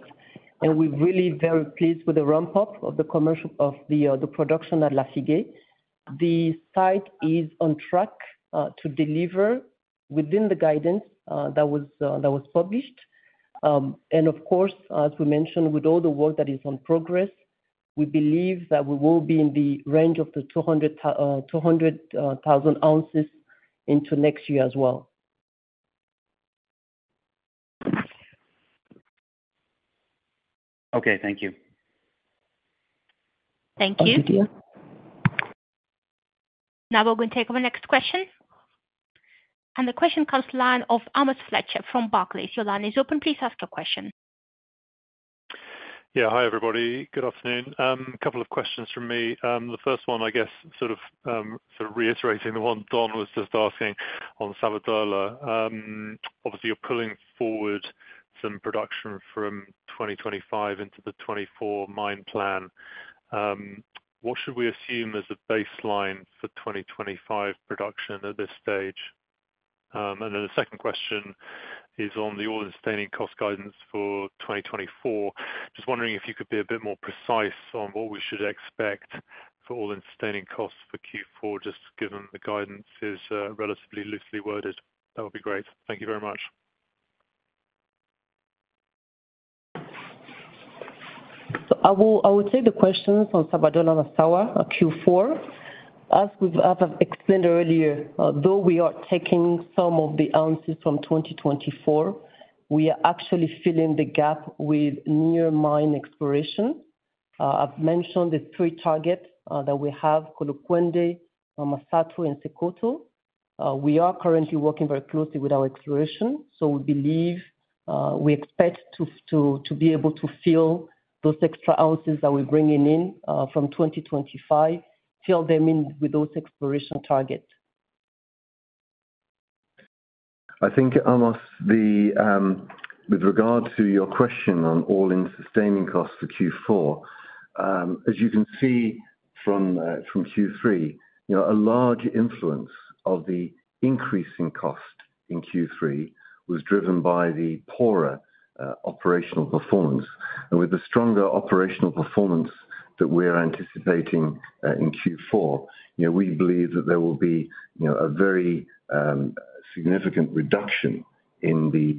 D: and we're really very pleased with the ramp-up of the production at Lafigué. The site is on track to deliver within the guidance that was published. And of course, as we mentioned, with all the work that is in progress, we believe that we will be in the range of the 200,000 ounces into next year as well.
F: Okay. Thank you.
A: Thank you. Now we're going to take our next question. The question comes from the line of Amos Fletcher from Barclays. Your line is open. Please ask your question.
G: Yeah. Hi, everybody. Good afternoon. A couple of questions from me. The first one, I guess, sort of reiterating the one Don was just asking on Sabadola. Obviously, you're pulling forward some production from 2025 into the 2024 mine plan. What should we assume as a baseline for 2025 production at this stage? And then the second question is on the all-in sustaining cost guidance for 2024. Just wondering if you could be a bit more precise on what we should expect for all-in sustaining costs for Q4, just given the guidance is relatively loosely worded. That would be great. Thank you very much.
D: I would say the question is on Sabadola-Massawa Q4. As we've explained earlier, although we are taking some of the ounces from 2024, we are actually filling the gap with near mine exploration. I've mentioned the three targets that we have: Kouroukoun, Mamasrato, and Sekoto. We are currently working very closely with our exploration. So we believe we expect to be able to fill those extra ounces that we're bringing in from 2025, fill them in with those exploration targets.
B: I think, Amos, with regard to your question on all-in sustaining costs for Q4, as you can see from Q3, a large influence of the increasing cost in Q3 was driven by the poorer operational performance, and with the stronger operational performance that we are anticipating in Q4, we believe that there will be a very significant reduction in the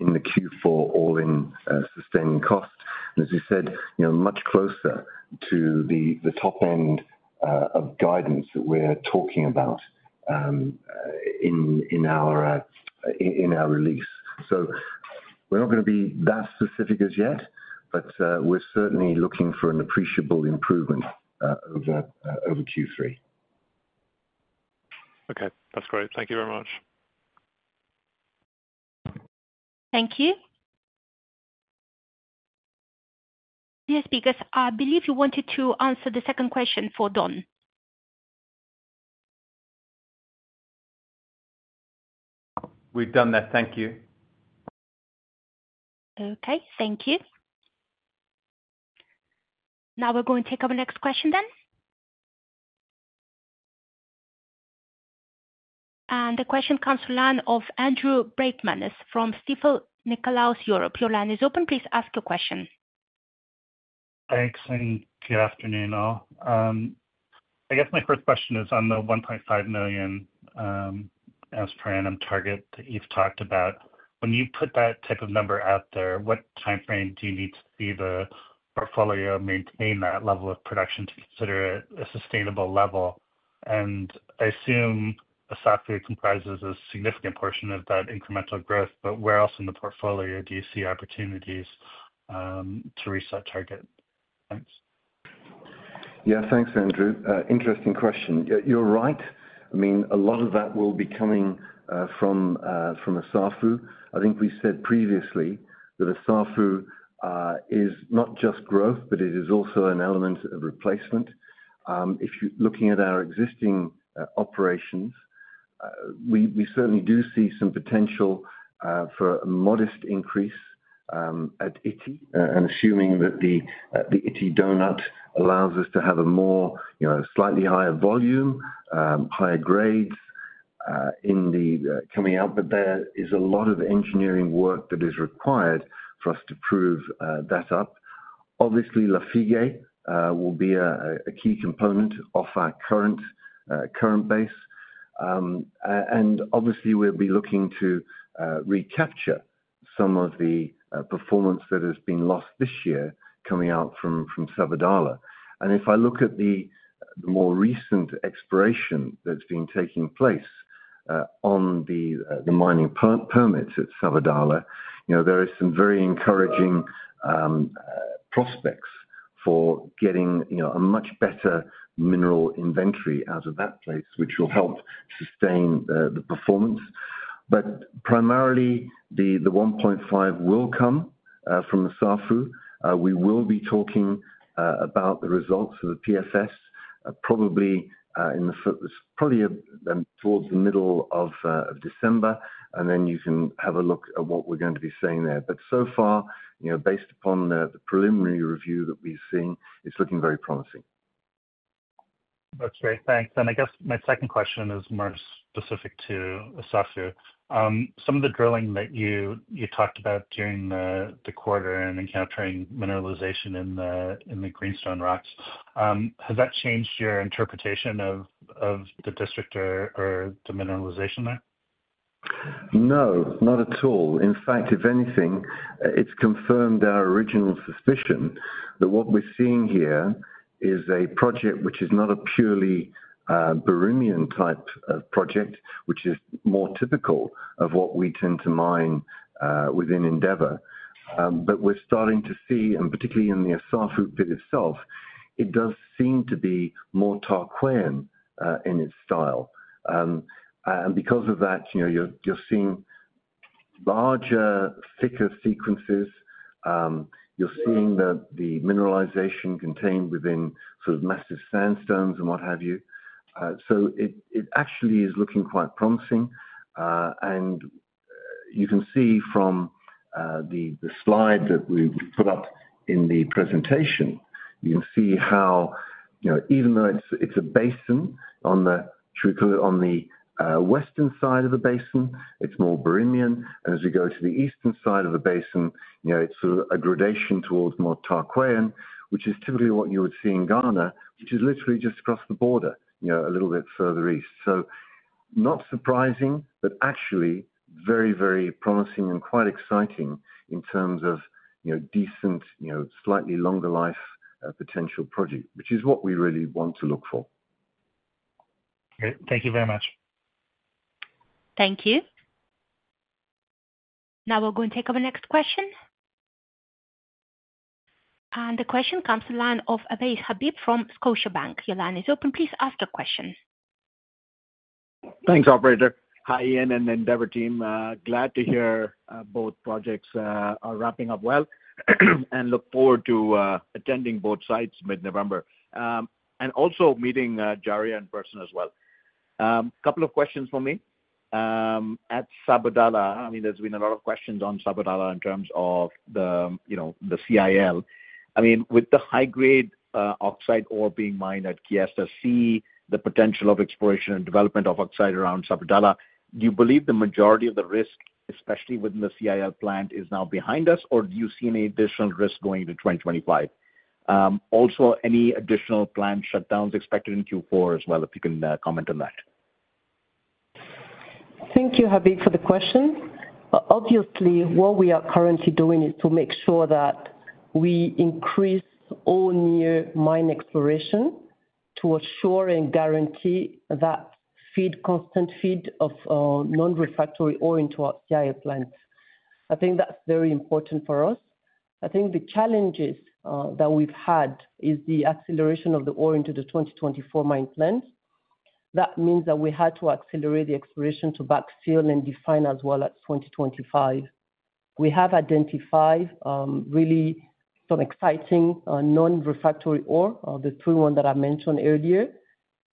B: Q4 all-in sustaining cost, and as you said, much closer to the top end of guidance that we're talking about in our release, so we're not going to be that specific as yet, but we're certainly looking for an appreciable improvement over Q3.
G: Okay. That's great. Thank you very much.
A: Thank you. Yes, because I believe you wanted to answer the second question for Don.
C: We've done that. Thank you.
A: Okay. Thank you. Now we're going to take our next question then. The question comes from the line of Andrew Breichmanas from Stifel Nicolaus Europe. Your line is open. Please ask your question.
H: Thanks. Good afternoon, all. I guess my first question is on the 1.5 million oz per annum target that you've talked about. When you put that type of number out there, what timeframe do you need to see the portfolio maintain that level of production to consider it a sustainable level? And I assume Assafou comprises a significant portion of that incremental growth, but where else in the portfolio do you see opportunities to reach that target? Thanks.
B: Yeah. Thanks, Andrew. Interesting question. You're right. I mean, a lot of that will be coming from Assafou. I think we said previously that Assafou is not just growth, but it is also an element of replacement. If you're looking at our existing operations, we certainly do see some potential for a modest increase at Ity, and assuming that the Ity dome allows us to have a slightly higher volume, higher grades in the coming output, there is a lot of engineering work that is required for us to prove that up. Obviously, Lafigué will be a key component of our current base. And obviously, we'll be looking to recapture some of the performance that has been lost this year coming out from Sabadola. And if I look at the more recent exploration that's been taking place on the mining permits at Sabadola, there are some very encouraging prospects for getting a much better mineral inventory out of that place, which will help sustain the performance. But primarily, the 1.5 will come from Massawa. We will be talking about the results of the PFS probably towards the middle of December, and then you can have a look at what we're going to be seeing there. But so far, based upon the preliminary review that we've seen, it's looking very promising.
H: That's great. Thanks. And I guess my second question is more specific to Massawa. Some of the drilling that you talked about during the quarter and encountering mineralization in the greenstone rocks, has that changed your interpretation of the district or the mineralization there?
C: No, not at all. In fact, if anything, it's confirmed our original suspicion that what we're seeing here is a project which is not a purely Birimian type of project, which is more typical of what we tend to mine within Endeavour. But we're starting to see, and particularly in the Assafou pit itself, it does seem to be more Tarkwaian in its style. And because of that, you're seeing larger, thicker sequences. You're seeing the mineralization contained within sort of massive sandstones and what have you. So it actually is looking quite promising. And you can see from the slide that we put up in the presentation, you can see how even though it's a basin on the western side of the basin, it's more Birimian. And as we go to the eastern side of the basin, it's sort of a gradation towards more Tarkwaian, which is typically what you would see in Ghana, which is literally just across the border, a little bit further east. So not surprising, but actually very, very promising and quite exciting in terms of decent, slightly longer life potential project, which is what we really want to look for.
H: Great. Thank you very much.
A: Thank you. Now we're going to take our next question, and the question comes from Ovais Habib from Scotiabank. Your line is open. Please ask your question.
I: Thanks, Operator. Hi, Ian, and Endeavour team. Glad to hear both projects are wrapping up well, and look forward to attending both sites mid-November and also meeting Djaria in person as well. A couple of questions for me. At Sabadola, I mean, there's been a lot of questions on Sabadola in terms of the CIL. I mean, with the high-grade oxide ore being mined at Kiestassi, seeing the potential of exploration and development of oxide around Sabadola, do you believe the majority of the risk, especially within the CIL plant, is now behind us, or do you see any additional risk going into 2025? Also, any additional plant shutdowns expected in Q4 as well, if you can comment on that.
D: Thank you, Habib, for the question. Obviously, what we are currently doing is to make sure that we increase all near-mine exploration to assure and guarantee that constant feed of non-refractory ore into our CIL plants. I think that's very important for us. I think the challenges that we've had is the acceleration of the ore into the 2024 mine plan. That means that we had to accelerate the exploration to backfill and define as well as 2025. We have identified really some exciting non-refractory ore, the three ones that I mentioned earlier.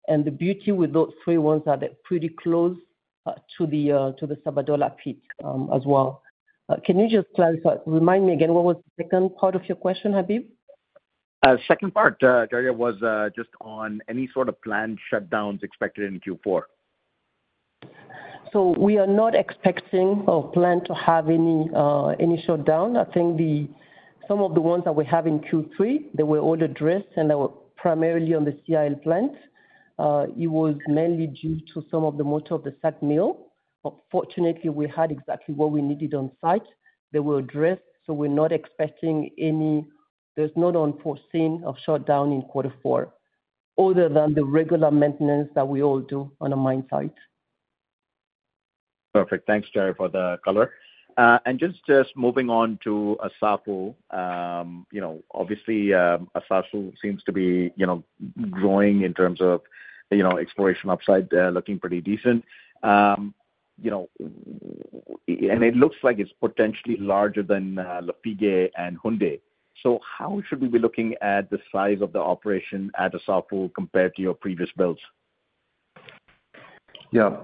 D: The beauty with those three ones is that they're pretty close to the Sabadola pit as well. Can you just clarify? Remind me again, what was the second part of your question, Habib?
I: Second part, Djaria, was just on any sort of planned shutdowns expected in Q4.
D: So we are not expecting our plant to have any shutdown. I think some of the ones that we have in Q3, they were all addressed, and they were primarily on the CIL plant. It was mainly due to some of the motor of the SAG mill. Fortunately, we had exactly what we needed on site. They were addressed. So we're not expecting any. There's no unforeseen shutdown in quarter four other than the regular maintenance that we all do on a mine site.
I: Perfect. Thanks, Djaria, for the color. And just moving on to Assafou, obviously, Assafou seems to be growing in terms of exploration upside, looking pretty decent. And it looks like it's potentially larger than Lafigué and Ity. So how should we be looking at the size of the operation at Assafou compared to your previous builds?
B: Yeah.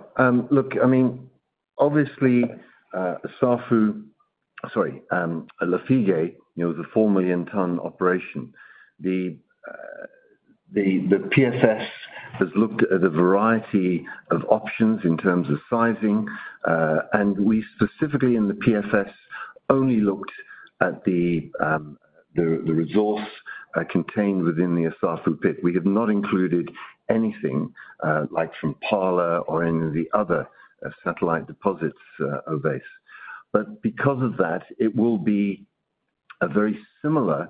B: Look, I mean, obviously, Assafou, sorry, Lafigué was a four-million-ton operation. The PFS has looked at a variety of options in terms of sizing. And we specifically in the PFS only looked at the resource contained within the Assafou pit. We have not included anything like from Pala or any of the other satellite deposits of Assafou. But because of that, it will be a very similar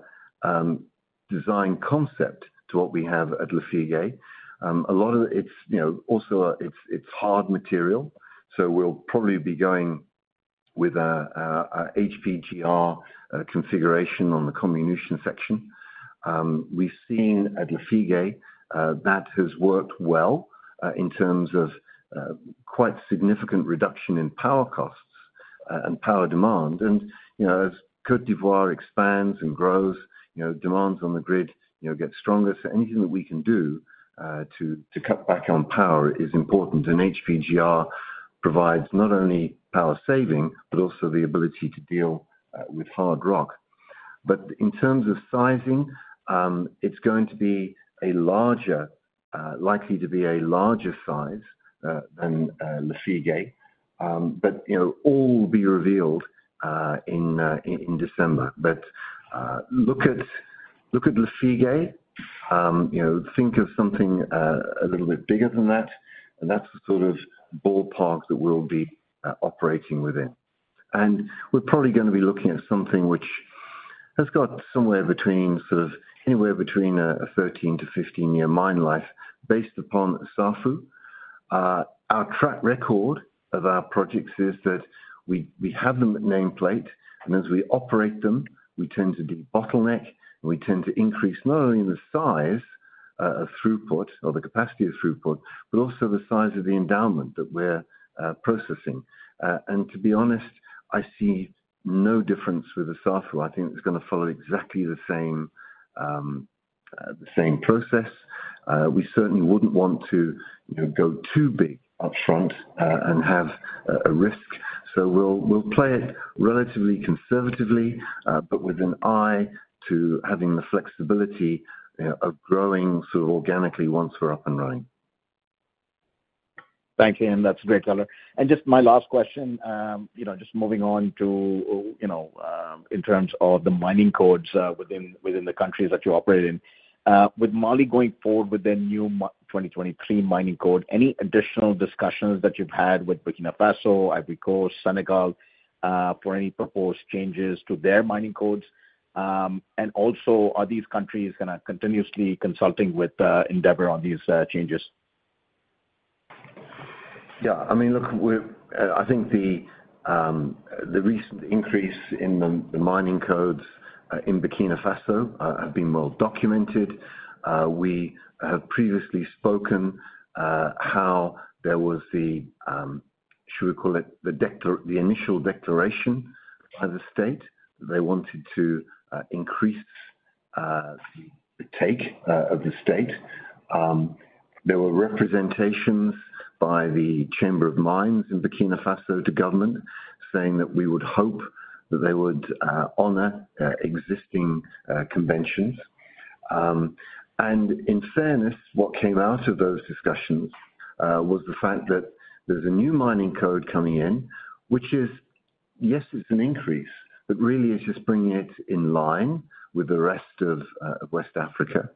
B: design concept to what we have at Lafigué. A lot of it's also hard material. So we'll probably be going with an HPGR configuration on the comminution section. We've seen at Lafigué that has worked well in terms of quite significant reduction in power costs and power demand. And as Côte d'Ivoire expands and grows, demands on the grid get stronger. So anything that we can do to cut back on power is important. And HPGR provides not only power saving, but also the ability to deal with hard rock. But in terms of sizing, it's going to be a larger, likely to be a larger size than Lafigué. But all will be revealed in December. But look at Lafigué. Think of something a little bit bigger than that. And that's the sort of ballpark that we'll be operating within. And we're probably going to be looking at something which has got somewhere between sort of anywhere between a 13- to 15-year mine life based upon Assafou. Our track record of our projects is that we have them at nameplate. And as we operate them, we tend to de-bottleneck. And we tend to increase not only the size of throughput or the capacity of throughput, but also the size of the endowment that we're processing. And to be honest, I see no difference with Assafou. I think it's going to follow exactly the same process. We certainly wouldn't want to go too big upfront and have a risk. So we'll play it relatively conservatively, but with an eye to having the flexibility of growing sort of organically once we're up and running.
I: Thank you, Ian. That's a great color. And just my last question, just moving on to in terms of the mining codes within the countries that you operate in. With Mali going forward with their new 2023 mining code, any additional discussions that you've had with Burkina Faso, Ivory Coast, Senegal for any proposed changes to their mining codes? And also, are these countries going to continuously consulting with Endeavour on these changes?
B: Yeah. I mean, look, I think the recent increase in the mining codes in Burkina Faso has been well documented. We have previously spoken how there was the, should we call it the initial declaration by the state that they wanted to increase the take of the state. There were representations by the Chamber of Mines in Burkina Faso to government saying that we would hope that they would honor existing conventions. And in fairness, what came out of those discussions was the fact that there's a new mining code coming in, which is, yes, it's an increase, but really it's just bringing it in line with the rest of West Africa.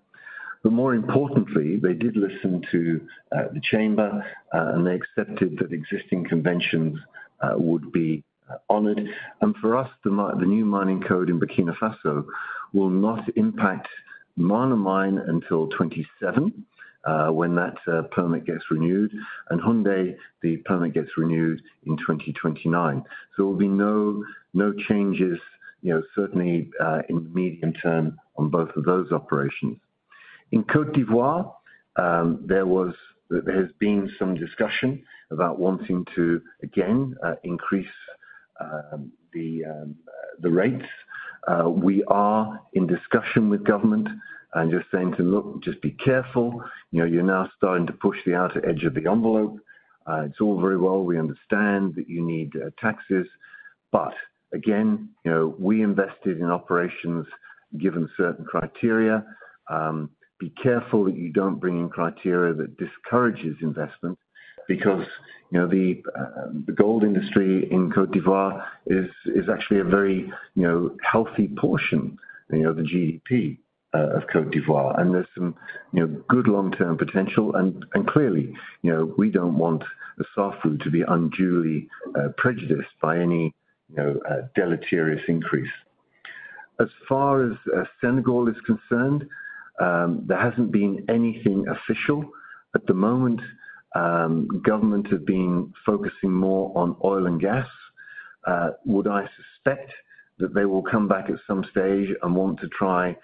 B: But more importantly, they did listen to the chamber, and they accepted that existing conventions would be honored. And for us, the new mining code in Burkina Faso will not impact Mana mine until 2027 when that permit gets renewed. And Houndé, the permit gets renewed in 2029. So there will be no changes, certainly in the medium term on both of those operations. In Côte d'Ivoire, there has been some discussion about wanting to, again, increase the rates. We are in discussion with government and just saying to them, "Look, just be careful. You're now starting to push the outer edge of the envelope. It's all very well. We understand that you need taxes," but again, we invested in operations given certain criteria. Be careful that you don't bring in criteria that discourages investment because the gold industry in Côte d'Ivoire is actually a very healthy portion of the GDP of Côte d'Ivoire, and there's some good long-term potential, and clearly, we don't want Assafou to be unduly prejudiced by any deleterious increase. As far as Senegal is concerned, there hasn't been anything official. At the moment, government have been focusing more on oil and gas. I would suspect that they will come back at some stage and want to try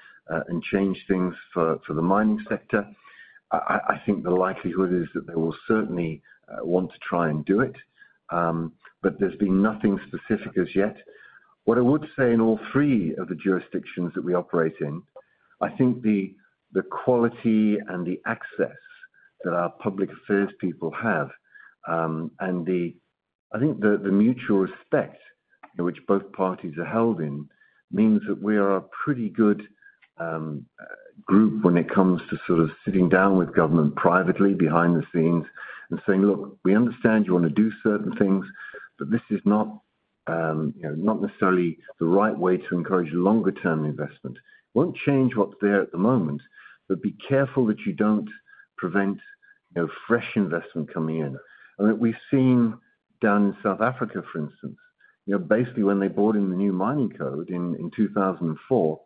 B: and change things for the mining sector. I think the likelihood is that they will certainly want to try and do it, but there's been nothing specific as yet. What I would say in all three of the jurisdictions that we operate in, I think the quality and the access that our public affairs people have and I think the mutual respect which both parties are held in means that we are a pretty good group when it comes to sort of sitting down with government privately behind the scenes and saying, "Look, we understand you want to do certain things, but this is not necessarily the right way to encourage longer-term investment. It won't change what's there at the moment, but be careful that you don't prevent fresh investment coming in." I mean, we've seen down in South Africa, for instance, basically when they bought in the new mining code in 2004,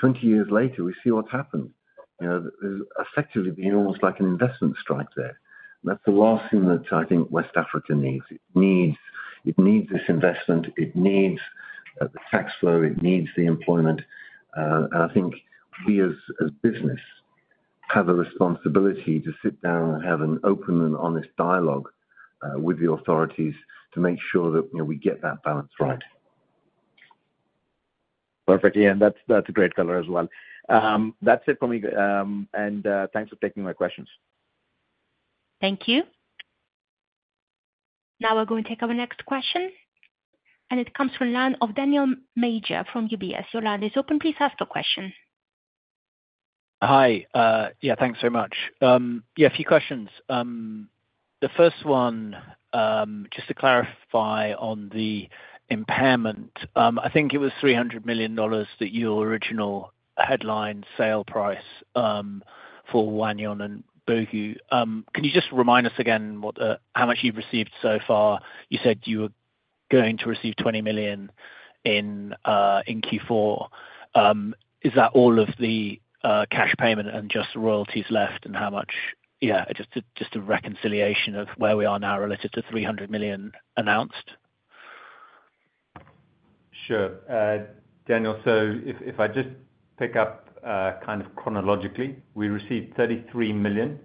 B: 20 years later, we see what's happened. There's effectively been almost like an investment strike there. That's the last thing that I think West Africa needs. It needs this investment. It needs the tax flow. It needs the employment, and I think we as a business have a responsibility to sit down and have an open and honest dialogue with the authorities to make sure that we get that balance right.
I: Perfect, Ian. That's a great color as well. That's it for me, and thanks for taking my questions.
A: Thank you. Now we're going to take our next question, and it comes from the line of Daniel Major from UBS. Your line is open. Please ask your question.
J: Hi. Yeah, thanks so much. Yeah, a few questions. The first one, just to clarify on the impairment, I think it was $300 million that your original headline sale price for Wahgnion and Boungou. Can you just remind us again how much you've received so far? You said you were going to receive $20 million in Q4. Is that all of the cash payment and just royalties left and how much? Yeah, just a reconciliation of where we are now related to $300 million announced.
C: Sure. Daniel, so if I just pick up kind of chronologically, we received $33 million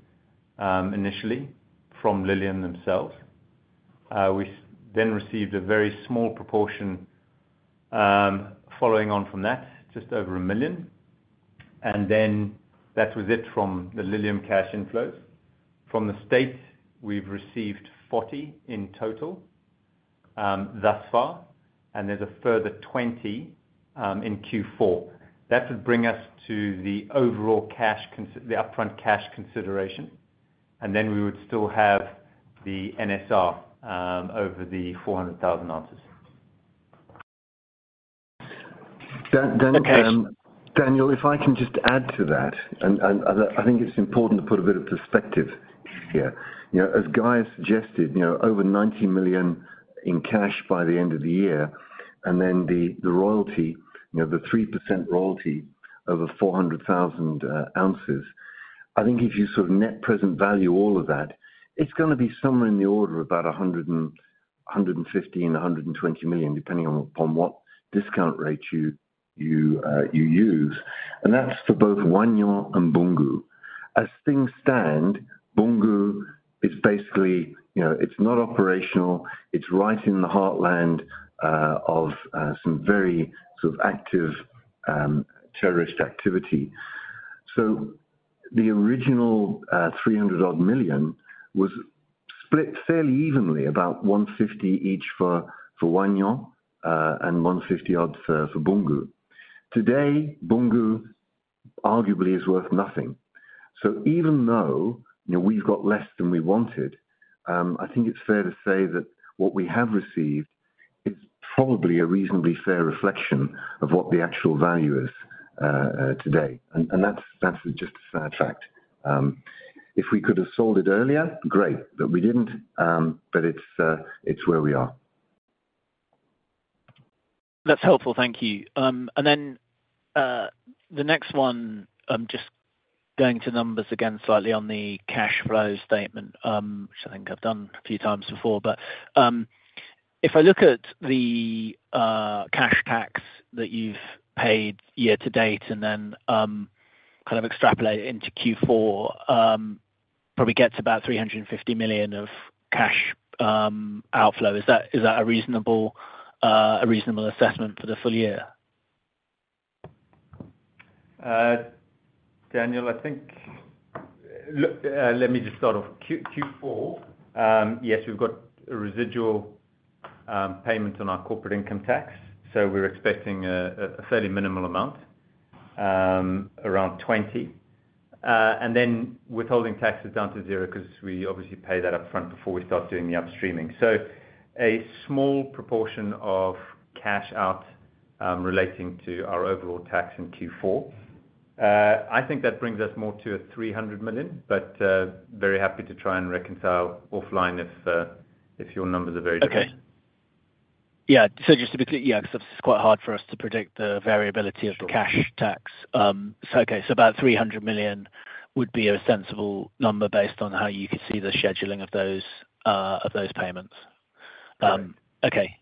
C: initially from Lilium themselves. We then received a very small proportion following on from that, just over a million. And then that was it from the Lilium cash inflows. From the state, we've received $40 million in total thus far. And there's a further $20 million in Q4. That would bring us to the overall cash, the upfront cash consideration. And then we would still have the NSR over the 400,000 ounces. Daniel, if I can just add to that, I think it's important to put a bit of perspective here. As Guy has suggested, over $90 million in cash by the end of the year. Then the royalty, the 3% royalty over 400,000 ounces. I think if you sort of net present value all of that, it's going to be somewhere in the order of about $150 and $120 million, depending on what discount rate you use. And that's for both Wahgnion and Boungou. As things stand, Boungou is basically it's not operational. It's right in the heartland of some very sort of active terrorist activity. So the original $300-odd million was split fairly evenly, about $150 each for Wahgnion and $150-odd for Boungou. Today, Boungou arguably is worth nothing. So even though we've got less than we wanted, I think it's fair to say that what we have received is probably a reasonably fair reflection of what the actual value is today. And that's just a sad fact. If we could have sold it earlier, great, but we didn't. But it's where we are.
J: That's helpful. Thank you. And then the next one, I'm just going to numbers again slightly on the cash flow statement, which I think I've done a few times before. But if I look at the cash tax that you've paid year to date and then kind of extrapolate it into Q4, probably gets about $350 million of cash outflow. Is that a reasonable assessment for the full year?
C: Daniel, I think let me just start off. Q4, yes, we've got a residual payment on our corporate income tax. So we're expecting a fairly minimal amount, around $20 million. And then withholding tax is down to zero because we obviously pay that upfront before we start doing the upstreaming. So a small proportion of cash out relating to our overall tax in Q4. I think that brings us more to $300 million, but very happy to try and reconcile offline if your numbers are very different.
J: Okay. Yeah. So just to be clear, yeah, because it's quite hard for us to predict the variability of the cash tax. Okay. So about $300 million would be a sensible number based on how you could see the scheduling of those payments. Okay.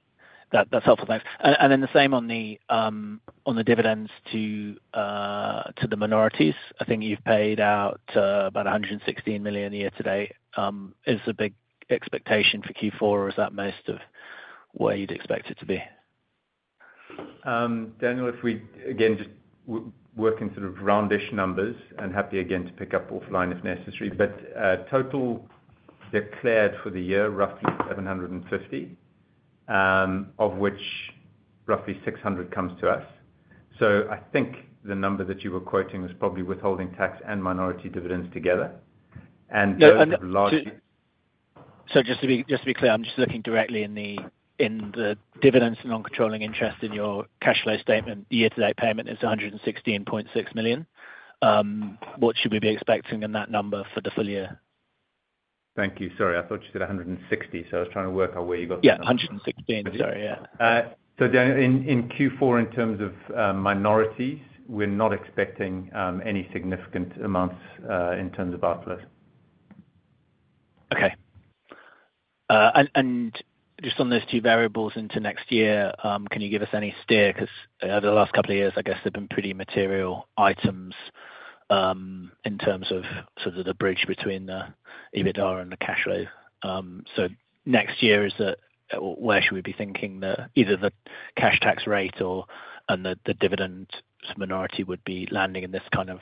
J: That's helpful. Thanks. And then the same on the dividends to the minorities. I think you've paid out about $116 million year to date. Is the big expectation for Q4, or is that most of where you'd expect it to be?
C: Daniel, if we again just work in sort of roundish numbers, I'm happy again to pick up offline if necessary. But total declared for the year, roughly $750 million, of which roughly $600 million comes to us. I think the number that you were quoting was probably withholding tax and minority dividends together. And those are largely.
J: Just to be clear, I'm just looking directly in the dividends and non-controlling interest in your cash flow statement. Year-to-date payment is $116.6 million. What should we be expecting in that number for the full year?
C: Thank you. Sorry, I thought you said 160. I was trying to work out where you got the 160.
J: Yeah, 116.
C: Sorry. Yeah. Daniel, in Q4, in terms of minorities, we're not expecting any significant amounts in terms of outflows.
J: Okay. And just on those two variables into next year, can you give us any steer? Because over the last couple of years, I guess there have been pretty material items in terms of sort of the bridge between the EBITDA and the cash flow. So next year, where should we be thinking that either the cash tax rate and the dividends minority would be landing in this kind of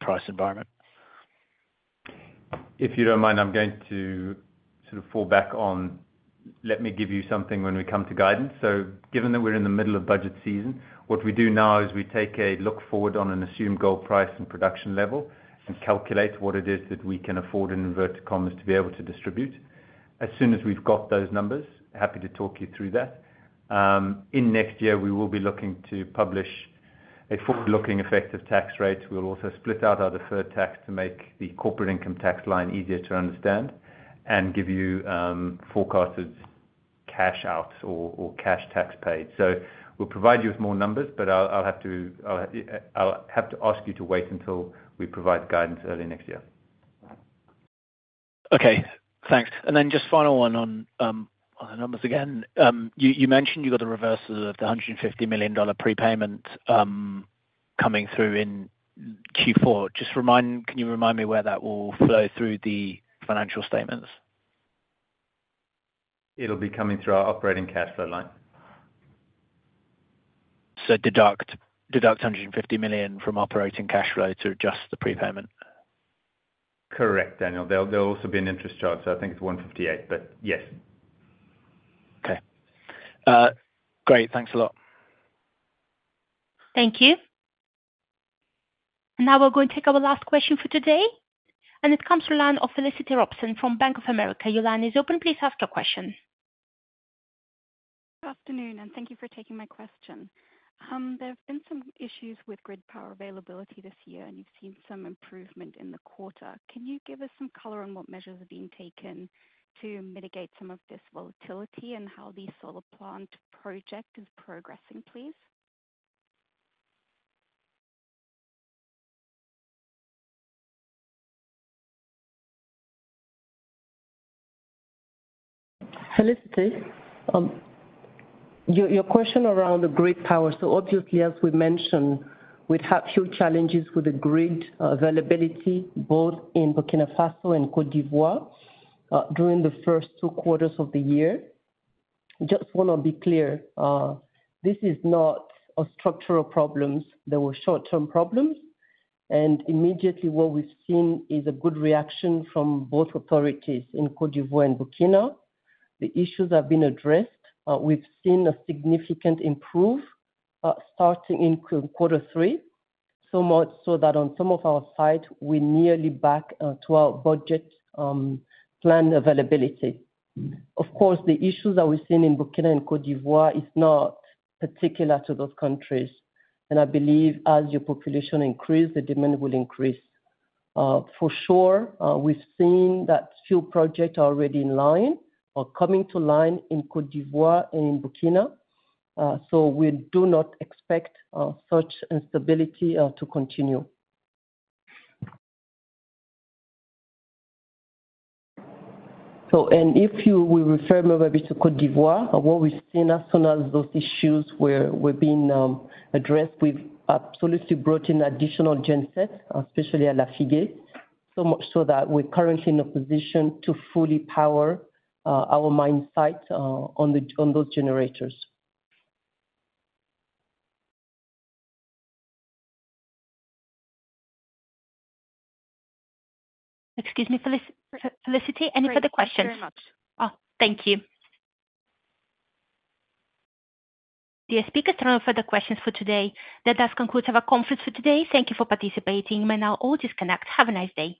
J: price environment?
C: If you don't mind, I'm going to sort of fall back on let me give you something when we come to guidance. So given that we're in the middle of budget season, what we do now is we take a look forward on an assumed gold price and production level and calculate what it is that we can afford in inverted commas to be able to distribute. As soon as we've got those numbers, happy to talk you through that. In next year, we will be looking to publish a forward-looking effective tax rate. We'll also split out our deferred tax to make the corporate income tax line easier to understand and give you forecasted cash outs or cash tax paid. So we'll provide you with more numbers, but I'll have to ask you to wait until we provide guidance early next year.
J: Okay. Thanks. And then just final one on the numbers again. You mentioned you got the reverse of the $150 million prepayment coming through in Q4. Can you remind me where that will flow through the financial statements?
C: It'll be coming through our operating cash flow line.
J: So deduct $150 million from
C: operating cash flow to adjust the prepayment. Correct, Daniel. There'll also be an interest charge. So I think it's $158 million, but yes.
J: Okay. Great. Thanks a lot.
A: Thank you. Now we're going to take our last question for today. And it comes from Felicity Robson from Bank of America. Your line is open. Please ask your question.
K: Good afternoon, and thank you for taking my question. There have been some issues with grid power availability this year, and you've seen some improvement in the quarter. Can you give us some color on what measures are being taken to mitigate some of this volatility and how the solar plant project is progressing, please?
D: Felicity, your question around the grid power. So obviously, as we mentioned, we'd have few challenges with the grid availability both in Burkina Faso and Côte d'Ivoire during the first two quarters of the year. Just want to be clear, this is not a structural problem. There were short-term problems, and immediately, what we've seen is a good reaction from both authorities in Côte d'Ivoire and Burkina. The issues have been addressed. We've seen a significant improvement starting in quarter three, so much so that on some of our sites, we're nearly back to our budget plan availability. Of course, the issues that we've seen in Burkina and Côte d'Ivoire are not particular to those countries, and I believe as your population increases, the demand will increase. For sure, we've seen that few projects are already in line or coming to line in Côte d'Ivoire and in Burkina. So we do not expect such instability to continue, and if you will refer maybe to Côte d'Ivoire, what we've seen as soon as those issues were being addressed, we've absolutely brought in additional gensets, especially at Lafigué, so much so that we're currently in a position to fully power our mine site on those generators.
A: Excuse me, Felicity. Any further questions?
K: Oh, thank you.
A: Dear speakers, there are no further questions for today. That does conclude our conference for today. Thank you for participating. You may now all disconnect. Have a nice day.